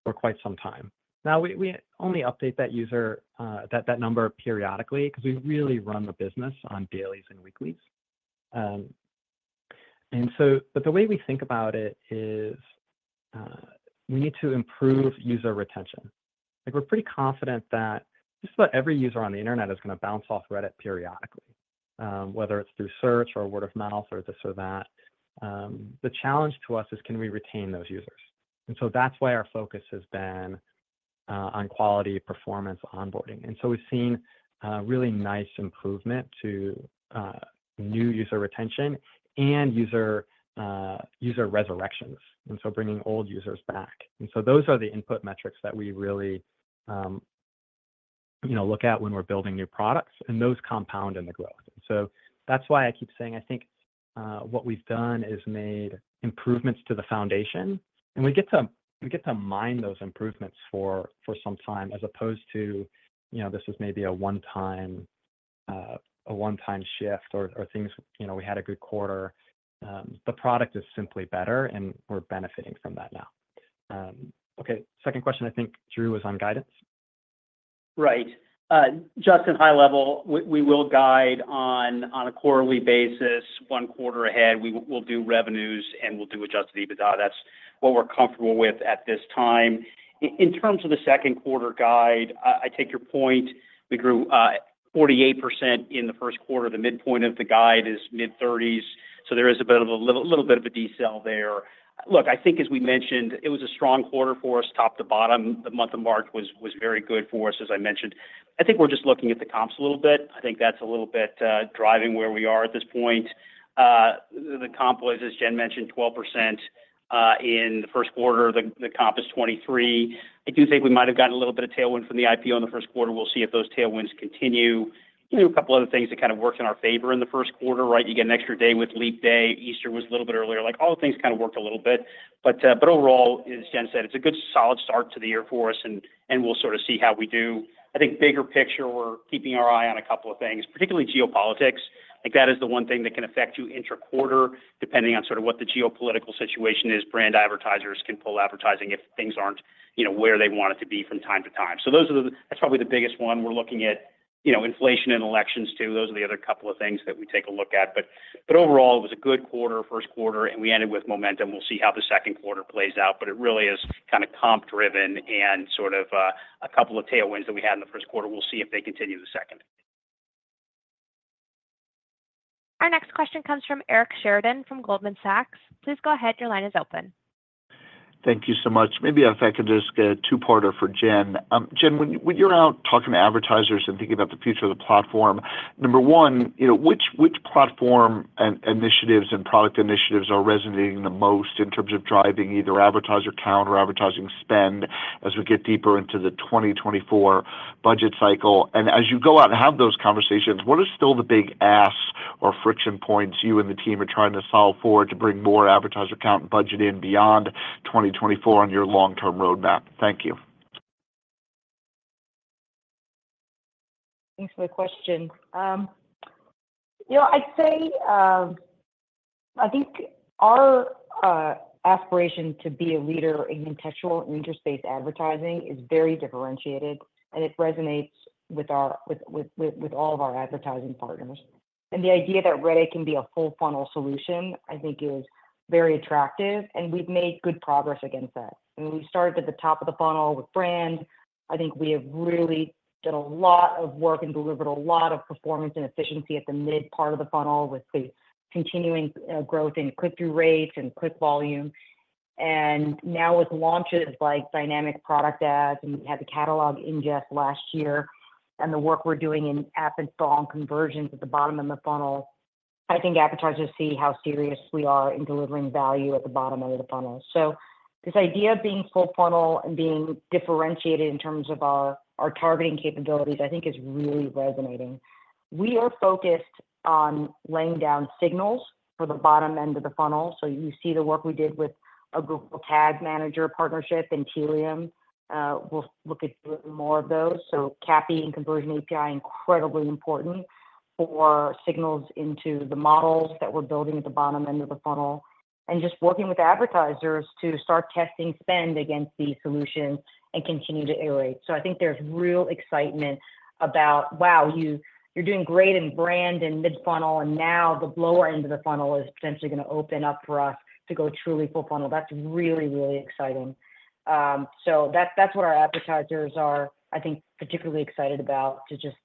for quite some time. Now, we only update that number periodically because we really run the business on dailies and weeklies. But the way we think about it is we need to improve user retention. We're pretty confident that just about every user on the internet is going to bounce off Reddit periodically, whether it's through search or word of mouth or this or that. The challenge to us is, can we retain those users? And so that's why our focus has been on quality, performance, onboarding. And so we've seen really nice improvement to new user retention and user resurrections, and so bringing old users back. And so those are the input metrics that we really look at when we're building new products. Those compound in the growth. So that's why I keep saying I think what we've done is made improvements to the foundation. We get to mine those improvements for some time as opposed to this is maybe a one-time shift or things. We had a good quarter. The product is simply better, and we're benefiting from that now. Okay, second question. I think Drew was on guidance. Right. Just, in high level, we will guide on a quarterly basis. One quarter ahead, we'll do revenues, and we'll do Adjusted EBITDA. That's what we're comfortable with at this time. In terms of the second quarter guide, I take your point. We grew 48% in the first quarter. The midpoint of the guide is mid-30s. So there is a little bit of a decel there. Look, I think, as we mentioned, it was a strong quarter for us. Top to bottom, the month of March was very good for us, as I mentioned. I think we're just looking at the comps a little bit. I think that's a little bit driving where we are at this point. The comp was, as Jen mentioned, 12% in the first quarter. The comp is 23%. I do think we might have gotten a little bit of tailwind from the IPO in the first quarter. We'll see if those tailwinds continue. A couple other things that kind of worked in our favor in the first quarter, right? You get an extra day with leap day. Easter was a little bit earlier. All the things kind of worked a little bit. But overall, as Jen said, it's a good solid start to the year for us, and we'll sort of see how we do. I think bigger picture, we're keeping our eye on a couple of things, particularly geopolitics. That is the one thing that can affect you intra-quarter depending on sort of what the geopolitical situation is. Brand advertisers can pull advertising if things aren't where they want it to be from time to time. So that's probably the biggest one. We're looking at inflation and elections, too. Those are the other couple of things that we take a look at. But overall, it was a good quarter, first quarter, and we ended with momentum. We'll see how the second quarter plays out. But it really is kind of comp-driven and sort of a couple of tailwinds that we had in the first quarter. We'll see if they continue the second. Our next question comes from Eric Sheridan from Goldman Sachs. Please go ahead. Your line is open. Thank you so much. Maybe if I could just get a two-parter for Jen. Jen, when you're out talking to advertisers and thinking about the future of the platform, number one, which platform initiatives and product initiatives are resonating the most in terms of driving either advertiser count or advertising spend as we get deeper into the 2024 budget cycle? And as you go out and have those conversations, what are still the big asks or friction points you and the team are trying to solve for to bring more advertiser count and budget in beyond 2024 on your long-term roadmap? Thank you. Thanks for the question. I think our aspiration to be a leader in contextual and interspace advertising is very differentiated, and it resonates with all of our advertising partners. And the idea that Reddit can be a full-funnel solution, I think, is very attractive. And we've made good progress against that. I mean, we started at the top of the funnel with brand. I think we have really done a lot of work and delivered a lot of performance and efficiency at the mid-part of the funnel with the continuing growth in click-through rates and click volume. And now with launches like Dynamic Product Ads, and we had the catalog ingest last year, and the work we're doing in app install and conversions at the bottom of the funnel, I think advertisers see how serious we are in delivering value at the bottom end of the funnel. So this idea of being full-funnel and being differentiated in terms of our targeting capabilities, I think, is really resonating. We are focused on laying down signals for the bottom end of the funnel. So you see the work we did with a Google Tag Manager partnership in Tealium. We'll look at doing more of those. So CAPI and Conversion API, incredibly important for signals into the models that we're building at the bottom end of the funnel and just working with advertisers to start testing spend against these solutions and continue to iterate. So I think there's real excitement about, "Wow, you're doing great in brand and mid-funnel, and now the lower end of the funnel is potentially going to open up for us to go truly full-funnel." That's really, really exciting. So that's what our advertisers are, I think, particularly excited about, to just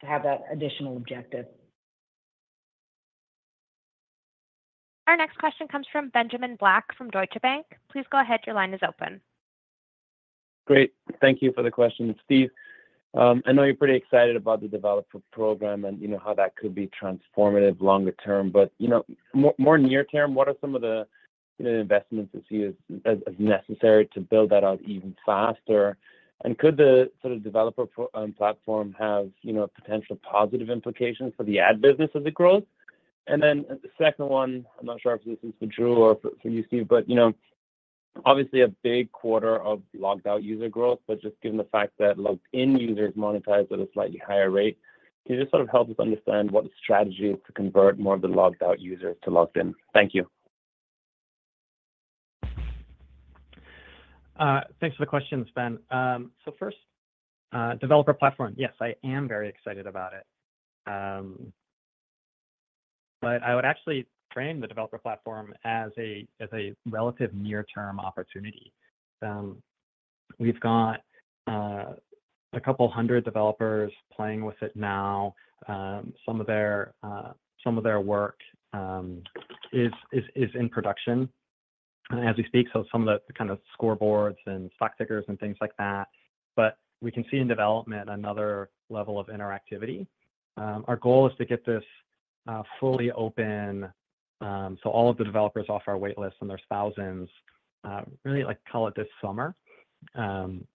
have that additional objective. Our next question comes from Benjamin Black from Deutsche Bank. Please go ahead. Your line is open. Great. Thank you for the question, Steve. I know you're pretty excited about the developer program and how that could be transformative longer term. But more near term, what are some of the investments that you see as necessary to build that out even faster? And could the sort of developer platform have potential positive implications for the ad business as it grows? And then the second one, I'm not sure if this is for Drew or for you, Steve, but obviously, a big quarter of logged-out user growth. But just given the fact that logged-in users monetize at a slightly higher rate, can you just sort of help us understand what the strategy is to convert more of the logged-out users to logged-in? Thank you. Thanks for the questions, Ben. So first, developer platform, yes, I am very excited about it. But I would actually frame the developer platform as a relative near-term opportunity. We've got a couple hundred developers playing with it now. Some of their work is in production as we speak, so some of the kind of scoreboards and stock tickers and things like that. But we can see in development another level of interactivity. Our goal is to get this fully open, so all of the developers off our waitlist, and there's thousands, really, call it this summer, and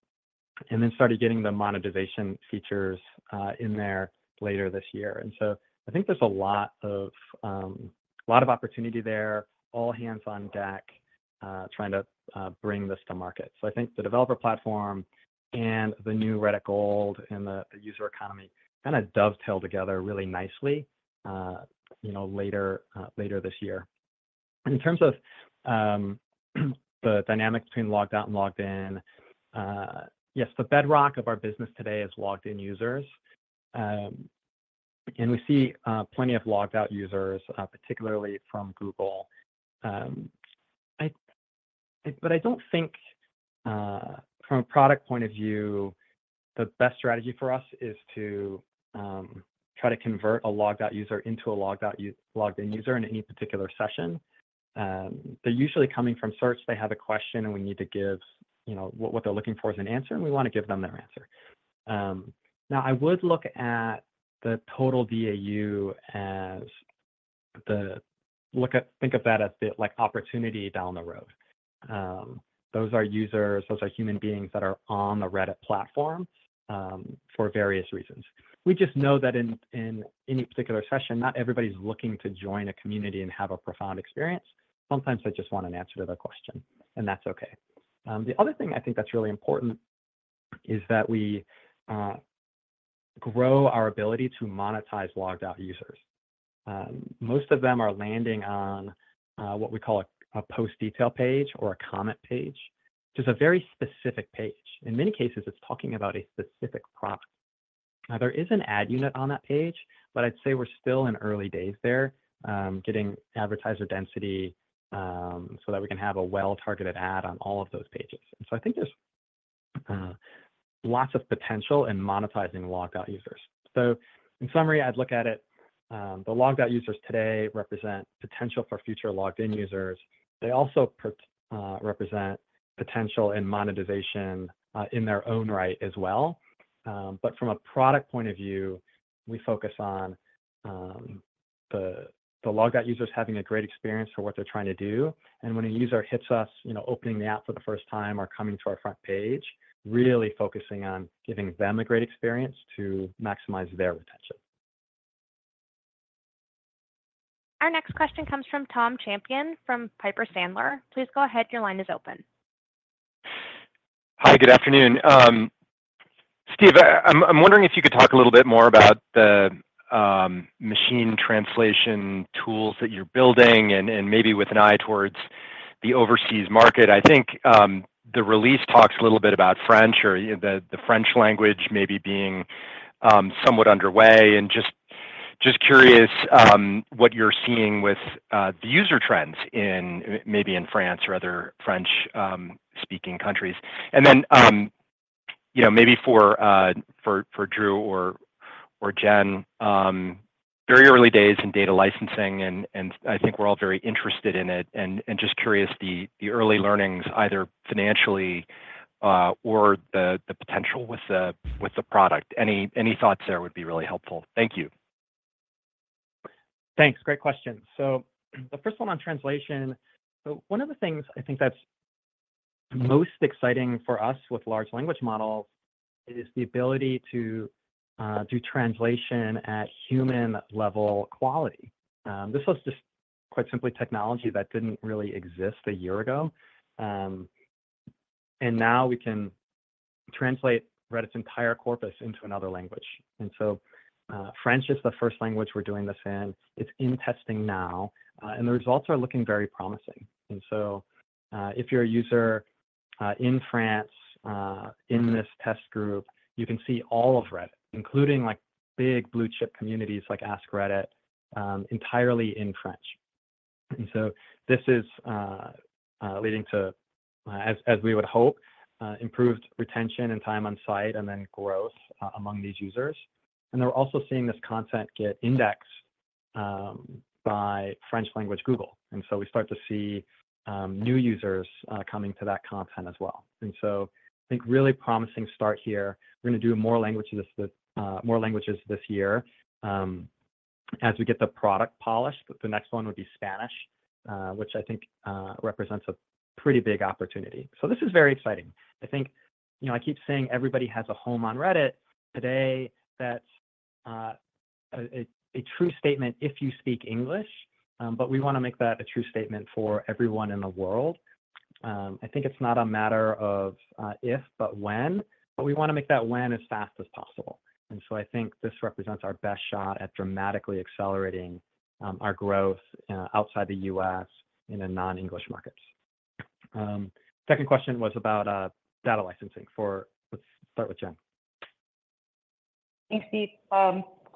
then started getting the monetization features in there later this year. And so I think there's a lot of opportunity there, all hands on deck trying to bring this to market. So I think the developer platform and the new Reddit Gold and the user economy kind of dovetail together really nicely later this year. In terms of the dynamic between logged out and logged in, yes, the bedrock of our business today is logged-in users. And we see plenty of logged out users, particularly from Google. But I don't think, from a product point of view, the best strategy for us is to try to convert a logged out user into a logged in user in any particular session. They're usually coming from search. They have a question, and we need to give what they're looking for as an answer, and we want to give them their answer. Now, I would look at the total DAU as think of that as opportunity down the road. Those are users. Those are human beings that are on the Reddit platform for various reasons. We just know that in any particular session, not everybody's looking to join a community and have a profound experience. Sometimes they just want an answer to their question, and that's okay. The other thing I think that's really important is that we grow our ability to monetize logged out users. Most of them are landing on what we call a post detail page or a comment page, which is a very specific page. In many cases, it's talking about a specific product. Now, there is an ad unit on that page, but I'd say we're still in early days there getting advertiser density so that we can have a well-targeted ad on all of those pages. And so I think there's lots of potential in monetizing logged out users. So in summary, I'd look at it. The logged out users today represent potential for future logged in users. They also represent potential in monetization in their own right as well. But from a product point of view, we focus on the logged out users having a great experience for what they're trying to do. And when a user hits us opening the app for the first time or coming to our front page, really focusing on giving them a great experience to maximize their retention. Our next question comes from Tom Champion from Piper Sandler. Please go ahead. Your line is open. Hi, good afternoon. Steve, I'm wondering if you could talk a little bit more about the machine translation tools that you're building and maybe with an eye towards the overseas market. I think the release talks a little bit about French or the French language maybe being somewhat underway. Just curious what you're seeing with the user trends maybe in France or other French-speaking countries. Then maybe for Drew or Jen, very early days in data licensing, and I think we're all very interested in it. Just curious the early learnings, either financially or the potential with the product. Any thoughts there would be really helpful. Thank you. Thanks. Great question. So the first one on translation. So one of the things I think that's most exciting for us with large language models is the ability to do translation at human-level quality. This was just, quite simply, technology that didn't really exist a year ago. And now we can translate Reddit's entire corpus into another language. And so French is the first language we're doing this in. It's in testing now, and the results are looking very promising. And so if you're a user in France, in this test group, you can see all of Reddit, including big blue-chip communities like AskReddit, entirely in French. And so this is leading to, as we would hope, improved retention and time on site and then growth among these users. And they're also seeing this content get indexed by French-language Google. And so we start to see new users coming to that content as well. And so I think really promising start here. We're going to do more languages this year as we get the product polished. The next one would be Spanish, which I think represents a pretty big opportunity. So this is very exciting. I think I keep saying everybody has a home on Reddit. Today, that's a true statement if you speak English. But we want to make that a true statement for everyone in the world. I think it's not a matter of if but when. But we want to make that when as fast as possible. And so I think this represents our best shot at dramatically accelerating our growth outside the U.S. in non-English markets. Second question was about data licensing. Let's start with Jen. Thanks, Steve.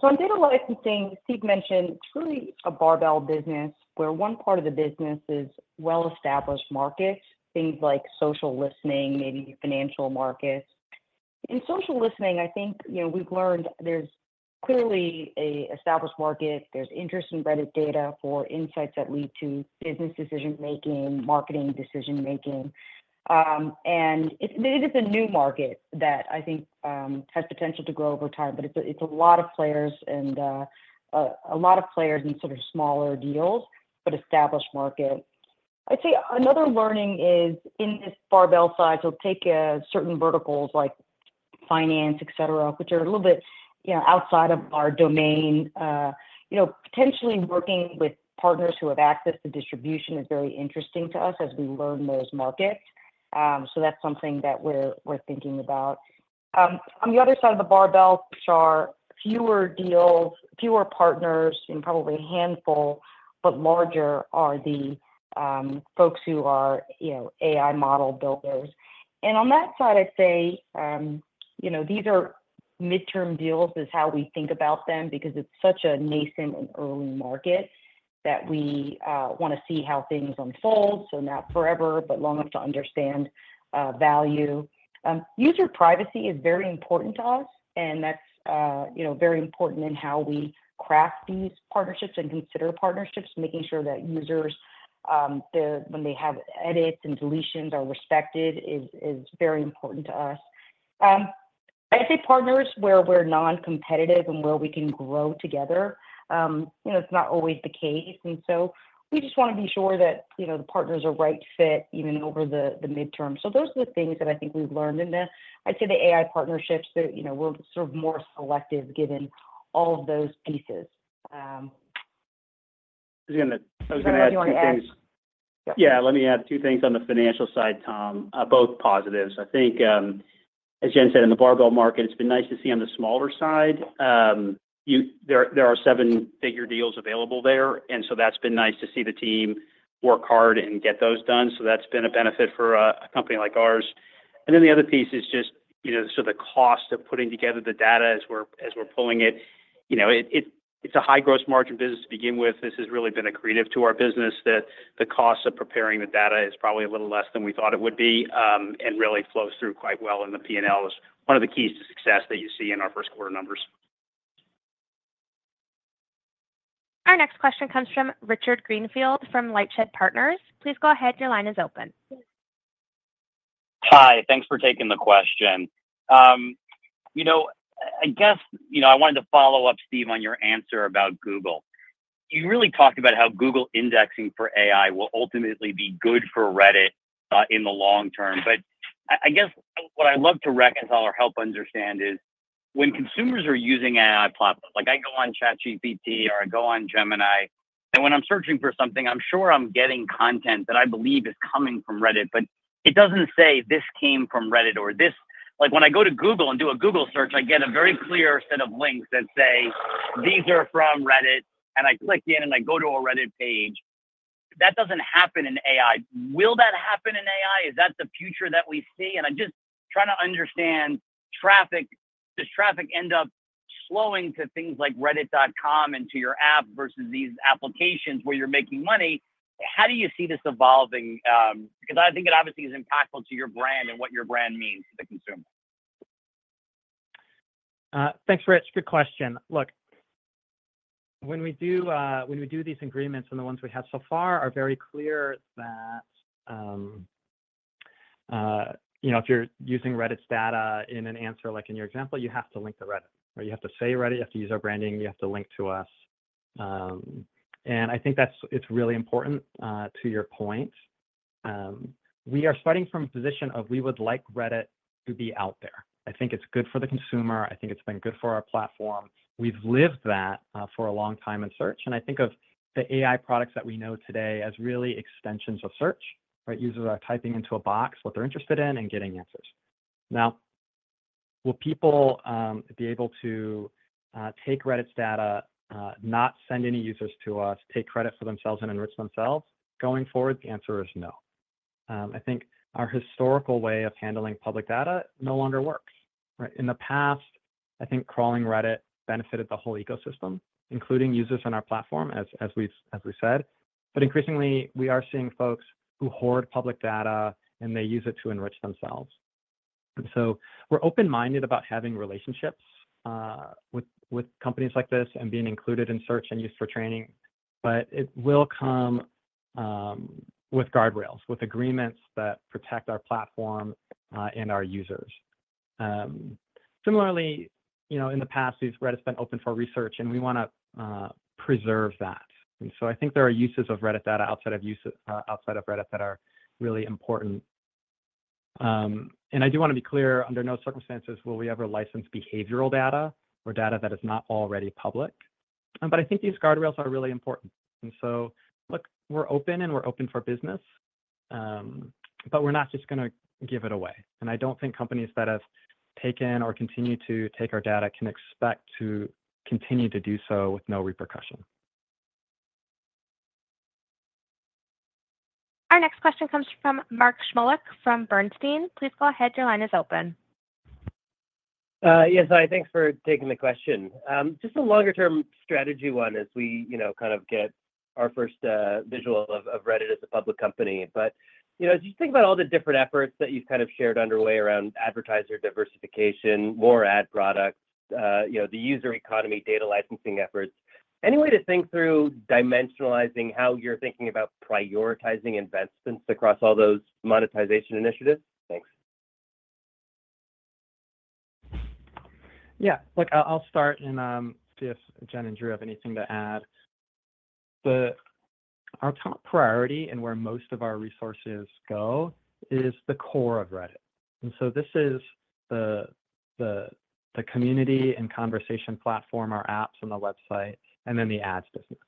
So on data licensing, Steve mentioned truly a barbell business where one part of the business is well-established markets, things like social listening, maybe financial markets. In social listening, I think we've learned there's clearly an established market. There's interest in Reddit data for insights that lead to business decision-making, marketing decision-making. And it is a new market that I think has potential to grow over time. But it's a lot of players and a lot of players in sort of smaller deals, but established market. I'd say another learning is in this barbell side, so take certain verticals like finance, etc., which are a little bit outside of our domain. Potentially working with partners who have access to distribution is very interesting to us as we learn those markets. So that's something that we're thinking about. On the other side of the barbell, which are fewer partners, probably a handful, but larger are the folks who are AI model builders. And on that side, I'd say these are midterm deals is how we think about them because it's such a nascent and early market that we want to see how things unfold. So not forever, but long enough to understand value. User privacy is very important to us, and that's very important in how we craft these partnerships and consider partnerships, making sure that users, when they have edits and deletions, are respected is very important to us. I'd say partners where we're non-competitive and where we can grow together. It's not always the case. And so we just want to be sure that the partners are right fit even over the midterm. So those are the things that I think we've learned. I'd say the AI partnerships, we're sort of more selective given all of those pieces. I was going to add two things. Yeah, let me add two things on the financial side, Tom, both positives. I think, as Jen said, in the barbell market, it's been nice to see on the smaller side. There are seven-figure deals available there, and so that's been nice to see the team work hard and get those done. So that's been a benefit for a company like ours. And then the other piece is just sort of the cost of putting together the data as we're pulling it. It's a high gross margin business to begin with. This has really been accretive to our business that the cost of preparing the data is probably a little less than we thought it would be and really flows through quite well in the P&L is one of the keys to success that you see in our first quarter numbers. Our next question comes from Richard Greenfield from LightShed Partners. Please go ahead. Your line is open. Hi. Thanks for taking the question. I guess I wanted to follow up, Steve, on your answer about Google. You really talked about how Google indexing for AI will ultimately be good for Reddit in the long term. But I guess what I'd love to reconcile or help understand is when consumers are using AI platforms, like I go on ChatGPT or I go on Gemini, and when I'm searching for something, I'm sure I'm getting content that I believe is coming from Reddit, but it doesn't say, "This came from Reddit," or, "This" when I go to Google and do a Google search, I get a very clear set of links that say, "These are from Reddit," and I click in and I go to a Reddit page. That doesn't happen in AI. Will that happen in AI? Is that the future that we see? I'm just trying to understand, does traffic end up flowing to things like Reddit.com and to your app versus these applications where you're making money? How do you see this evolving? Because I think it obviously is impactful to your brand and what your brand means to the consumer. Thanks, Rich. Good question. Look, when we do these agreements and the ones we have so far are very clear that if you're using Reddit's data in an answer like in your example, you have to link to Reddit, right? You have to say Reddit. You have to use our branding. You have to link to us. And I think it's really important to your point. We are starting from a position of, "We would like Reddit to be out there." I think it's good for the consumer. I think it's been good for our platform. We've lived that for a long time in search. And I think of the AI products that we know today as really extensions of search, right? Users are typing into a box what they're interested in and getting answers. Now, will people be able to take Reddit's data, not send any users to us, take credit for themselves, and enrich themselves going forward? The answer is no. I think our historical way of handling public data no longer works, right? In the past, I think crawling Reddit benefited the whole ecosystem, including users on our platform, as we said. But increasingly, we are seeing folks who hoard public data, and they use it to enrich themselves. And so we're open-minded about having relationships with companies like this and being included in search and used for training. But it will come with guardrails, with agreements that protect our platform and our users. Similarly, in the past, Reddit's been open for research, and we want to preserve that. And so I think there are uses of Reddit data outside of Reddit that are really important. I do want to be clear, under no circumstances will we ever license behavioral data or data that is not already public. But I think these guardrails are really important. So, look, we're open, and we're open for business, but we're not just going to give it away. I don't think companies that have taken or continued to take our data can expect to continue to do so with no repercussion. Our next question comes from Mark Shmulik from Bernstein. Please go ahead. Your line is open. Yes. Hi. Thanks for taking the question. Just a longer-term strategy one as we kind of get our first visual of Reddit as a public company. But as you think about all the different efforts that you've kind of shared underway around advertiser diversification, more ad products, the user economy, data licensing efforts, any way to think through dimensionalizing how you're thinking about prioritizing investments across all those monetization initiatives? Thanks. Yeah. Look, I'll start and see if Jen and Drew have anything to add. Our top priority and where most of our resources go is the core of Reddit. And so this is the community and conversation platform, our apps and the website, and then the ads business.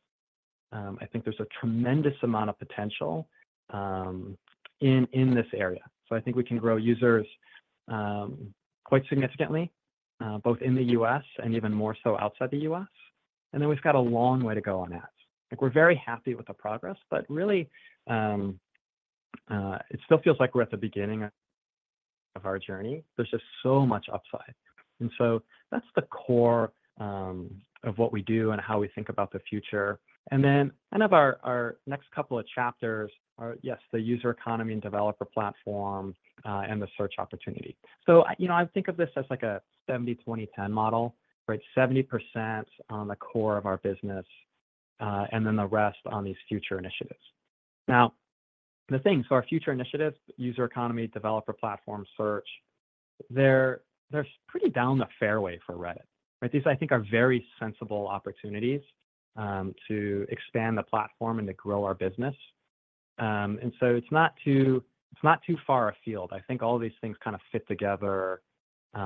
I think there's a tremendous amount of potential in this area. So I think we can grow users quite significantly both in the U.S. and even more so outside the U.S. And then we've got a long way to go on ads. We're very happy with the progress, but really, it still feels like we're at the beginning of our journey. There's just so much upside. And so that's the core of what we do and how we think about the future. And then kind of our next couple of chapters are, yes, the user economy and developer platform and the search opportunity. So I think of this as a 70/20/10 model, right? 70% on the core of our business and then the rest on these future initiatives. Now, the thing, so our future initiatives, user economy, developer platform, search, they're pretty down the fairway for Reddit, right? These, I think, are very sensible opportunities to expand the platform and to grow our business. And so it's not too far afield. I think all of these things kind of fit together in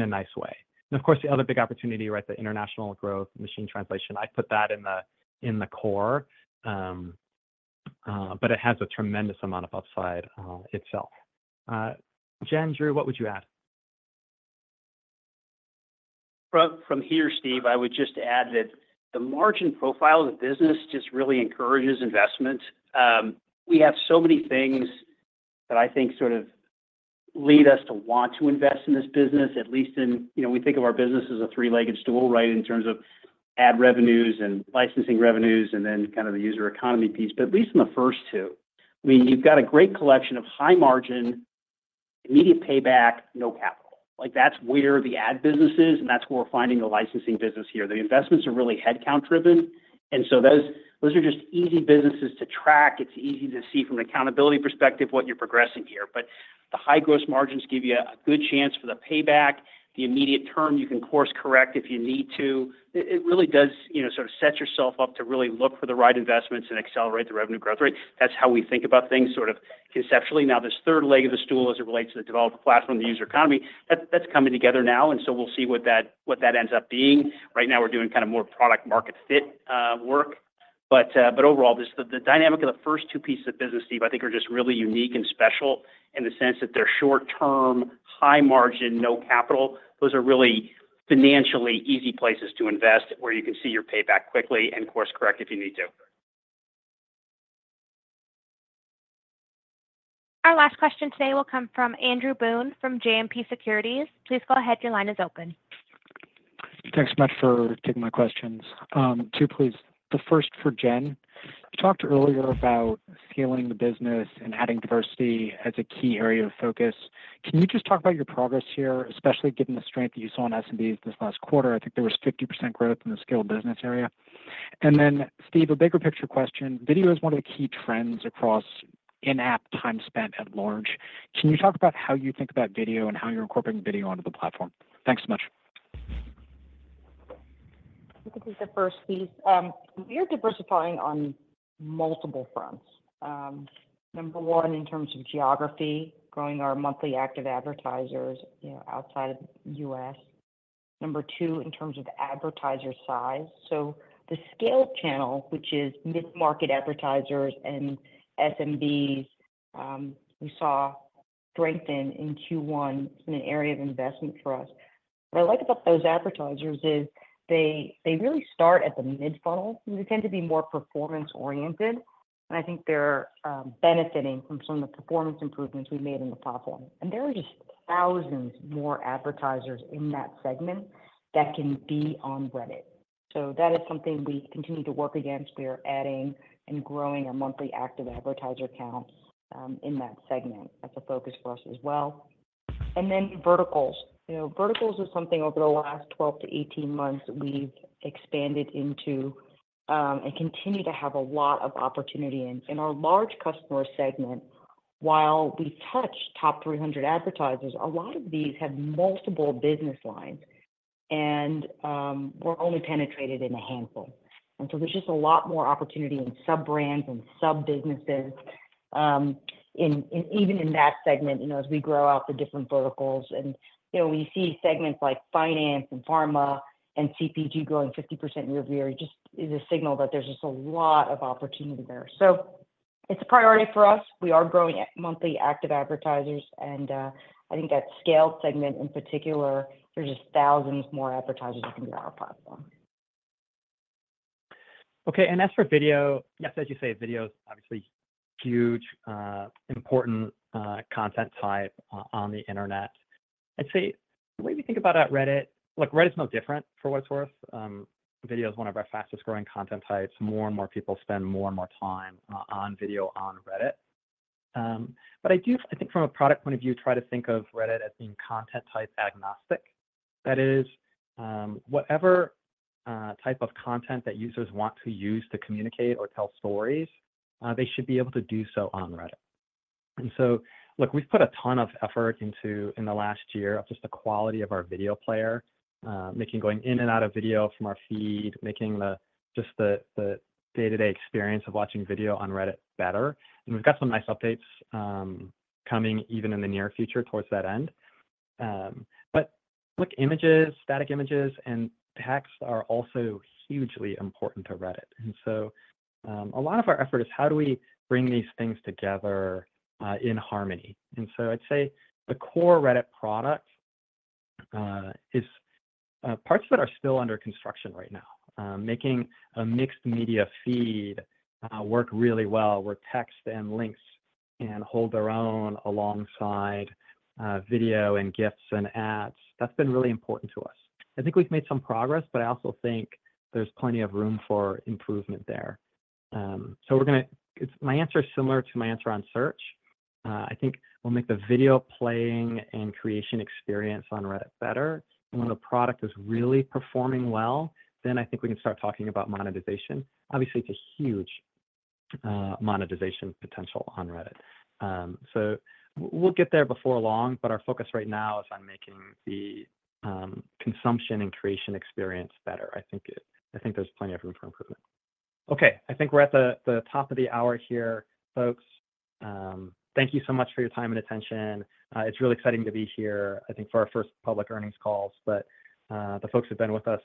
a nice way. And of course, the other big opportunity, right, the international growth, machine translation, I put that in the core, but it has a tremendous amount of upside itself. Jen, Drew, what would you add? From here, Steve, I would just add that the margin profile of the business just really encourages investment. We have so many things that I think sort of lead us to want to invest in this business, at least in we think of our business as a three-legged stool, right, in terms of ad revenues and licensing revenues and then kind of the user economy piece. But at least in the first two, I mean, you've got a great collection of high margin, immediate payback, no capital. That's where the ad business is, and that's where we're finding the licensing business here. The investments are really headcount-driven. And so those are just easy businesses to track. It's easy to see from an accountability perspective what you're progressing here. But the high gross margins give you a good chance for the payback. The immediate term, you can course-correct if you need to. It really does sort of set yourself up to really look for the right investments and accelerate the revenue growth rate. That's how we think about things sort of conceptually. Now, this third leg of the stool as it relates to the developer platform, the user economy, that's coming together now. And so we'll see what that ends up being. Right now, we're doing kind of more product-market fit work. But overall, the dynamic of the first two pieces of business, Steve, I think are just really unique and special in the sense that they're short-term, high margin, no capital. Those are really financially easy places to invest where you can see your payback quickly and course-correct if you need to. Our last question today will come from Andrew Boone from JMP Securities. Please go ahead. Your line is open. Thanks so much for taking my questions. two, please. The first for Jen. You talked earlier about scaling the business and adding diversity as a key area of focus. Can you just talk about your progress here, especially given the strength that you saw in SMBs this last quarter? I think there was 50% growth in the scale business area. And then, Steve, a bigger picture question. Video is one of the key trends across in-app time spent at large. Can you talk about how you think about video and how you're incorporating video onto the platform? Thanks so much. I can take the first piece. We are diversifying on multiple fronts. one, in terms of geography, growing our monthly active advertisers outside of the U.S. two, in terms of advertiser size. So the scale channel, which is mid-market advertisers and SMBs, we saw strengthen in Q1. It's been an area of investment for us. What I like about those advertisers is they really start at the mid-funnel. They tend to be more performance-oriented. And I think they're benefiting from some of the performance improvements we made in the platform. And there are just thousands more advertisers in that segment that can be on Reddit. So that is something we continue to work against. We are adding and growing our monthly active advertiser counts in that segment. That's a focus for us as well. And then verticals. Verticals is something over the last 12-18 months we've expanded into and continue to have a lot of opportunity in. In our large customer segment, while we touch top 300 advertisers, a lot of these have multiple business lines, and we're only penetrated in a handful. So there's just a lot more opportunity in sub-brands and sub-businesses. Even in that segment, as we grow out the different verticals and we see segments like finance and pharma and CPG growing 50% year-over-year, it just is a signal that there's just a lot of opportunity there. So it's a priority for us. We are growing monthly active advertisers. I think that scale segment in particular, there's just thousands more advertisers that can be on our platform. Okay. And as for video, yes, as you say, video is obviously huge, important content type on the internet. I'd say the way we think about Reddit. Look, Reddit's no different for what it's worth. Video is one of our fastest-growing content types. More and more people spend more and more time on video on Reddit. But I do, I think, from a product point of view, try to think of Reddit as being content-type agnostic. That is, whatever type of content that users want to use to communicate or tell stories, they should be able to do so on Reddit. And so, look, we've put a ton of effort into in the last year of just the quality of our video player, going in and out of video from our feed, making just the day-to-day experience of watching video on Reddit better. And we've got some nice updates coming even in the near future towards that end. But look, static images and text are also hugely important to Reddit. And so a lot of our effort is, how do we bring these things together in harmony? And so I'd say the core Reddit product is parts of it are still under construction right now, making a mixed-media feed work really well where text and links can hold their own alongside video and GIFs and ads. That's been really important to us. I think we've made some progress, but I also think there's plenty of room for improvement there. So my answer is similar to my answer on search. I think we'll make the video playing and creation experience on Reddit better. And when the product is really performing well, then I think we can start talking about monetization. Obviously, it's a huge monetization potential on Reddit. So we'll get there before long, but our focus right now is on making the consumption and creation experience better. I think there's plenty of room for improvement. Okay. I think we're at the top of the hour here, folks. Thank you so much for your time and attention. It's really exciting to be here, I think, for our first public earnings calls. But the folks who've been with us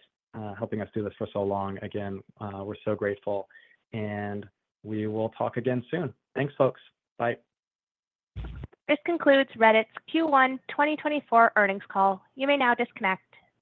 helping us do this for so long, again, we're so grateful. And we will talk again soon. Thanks, folks. Bye. This concludes Reddit's Q1 2024 earnings call. You may now disconnect.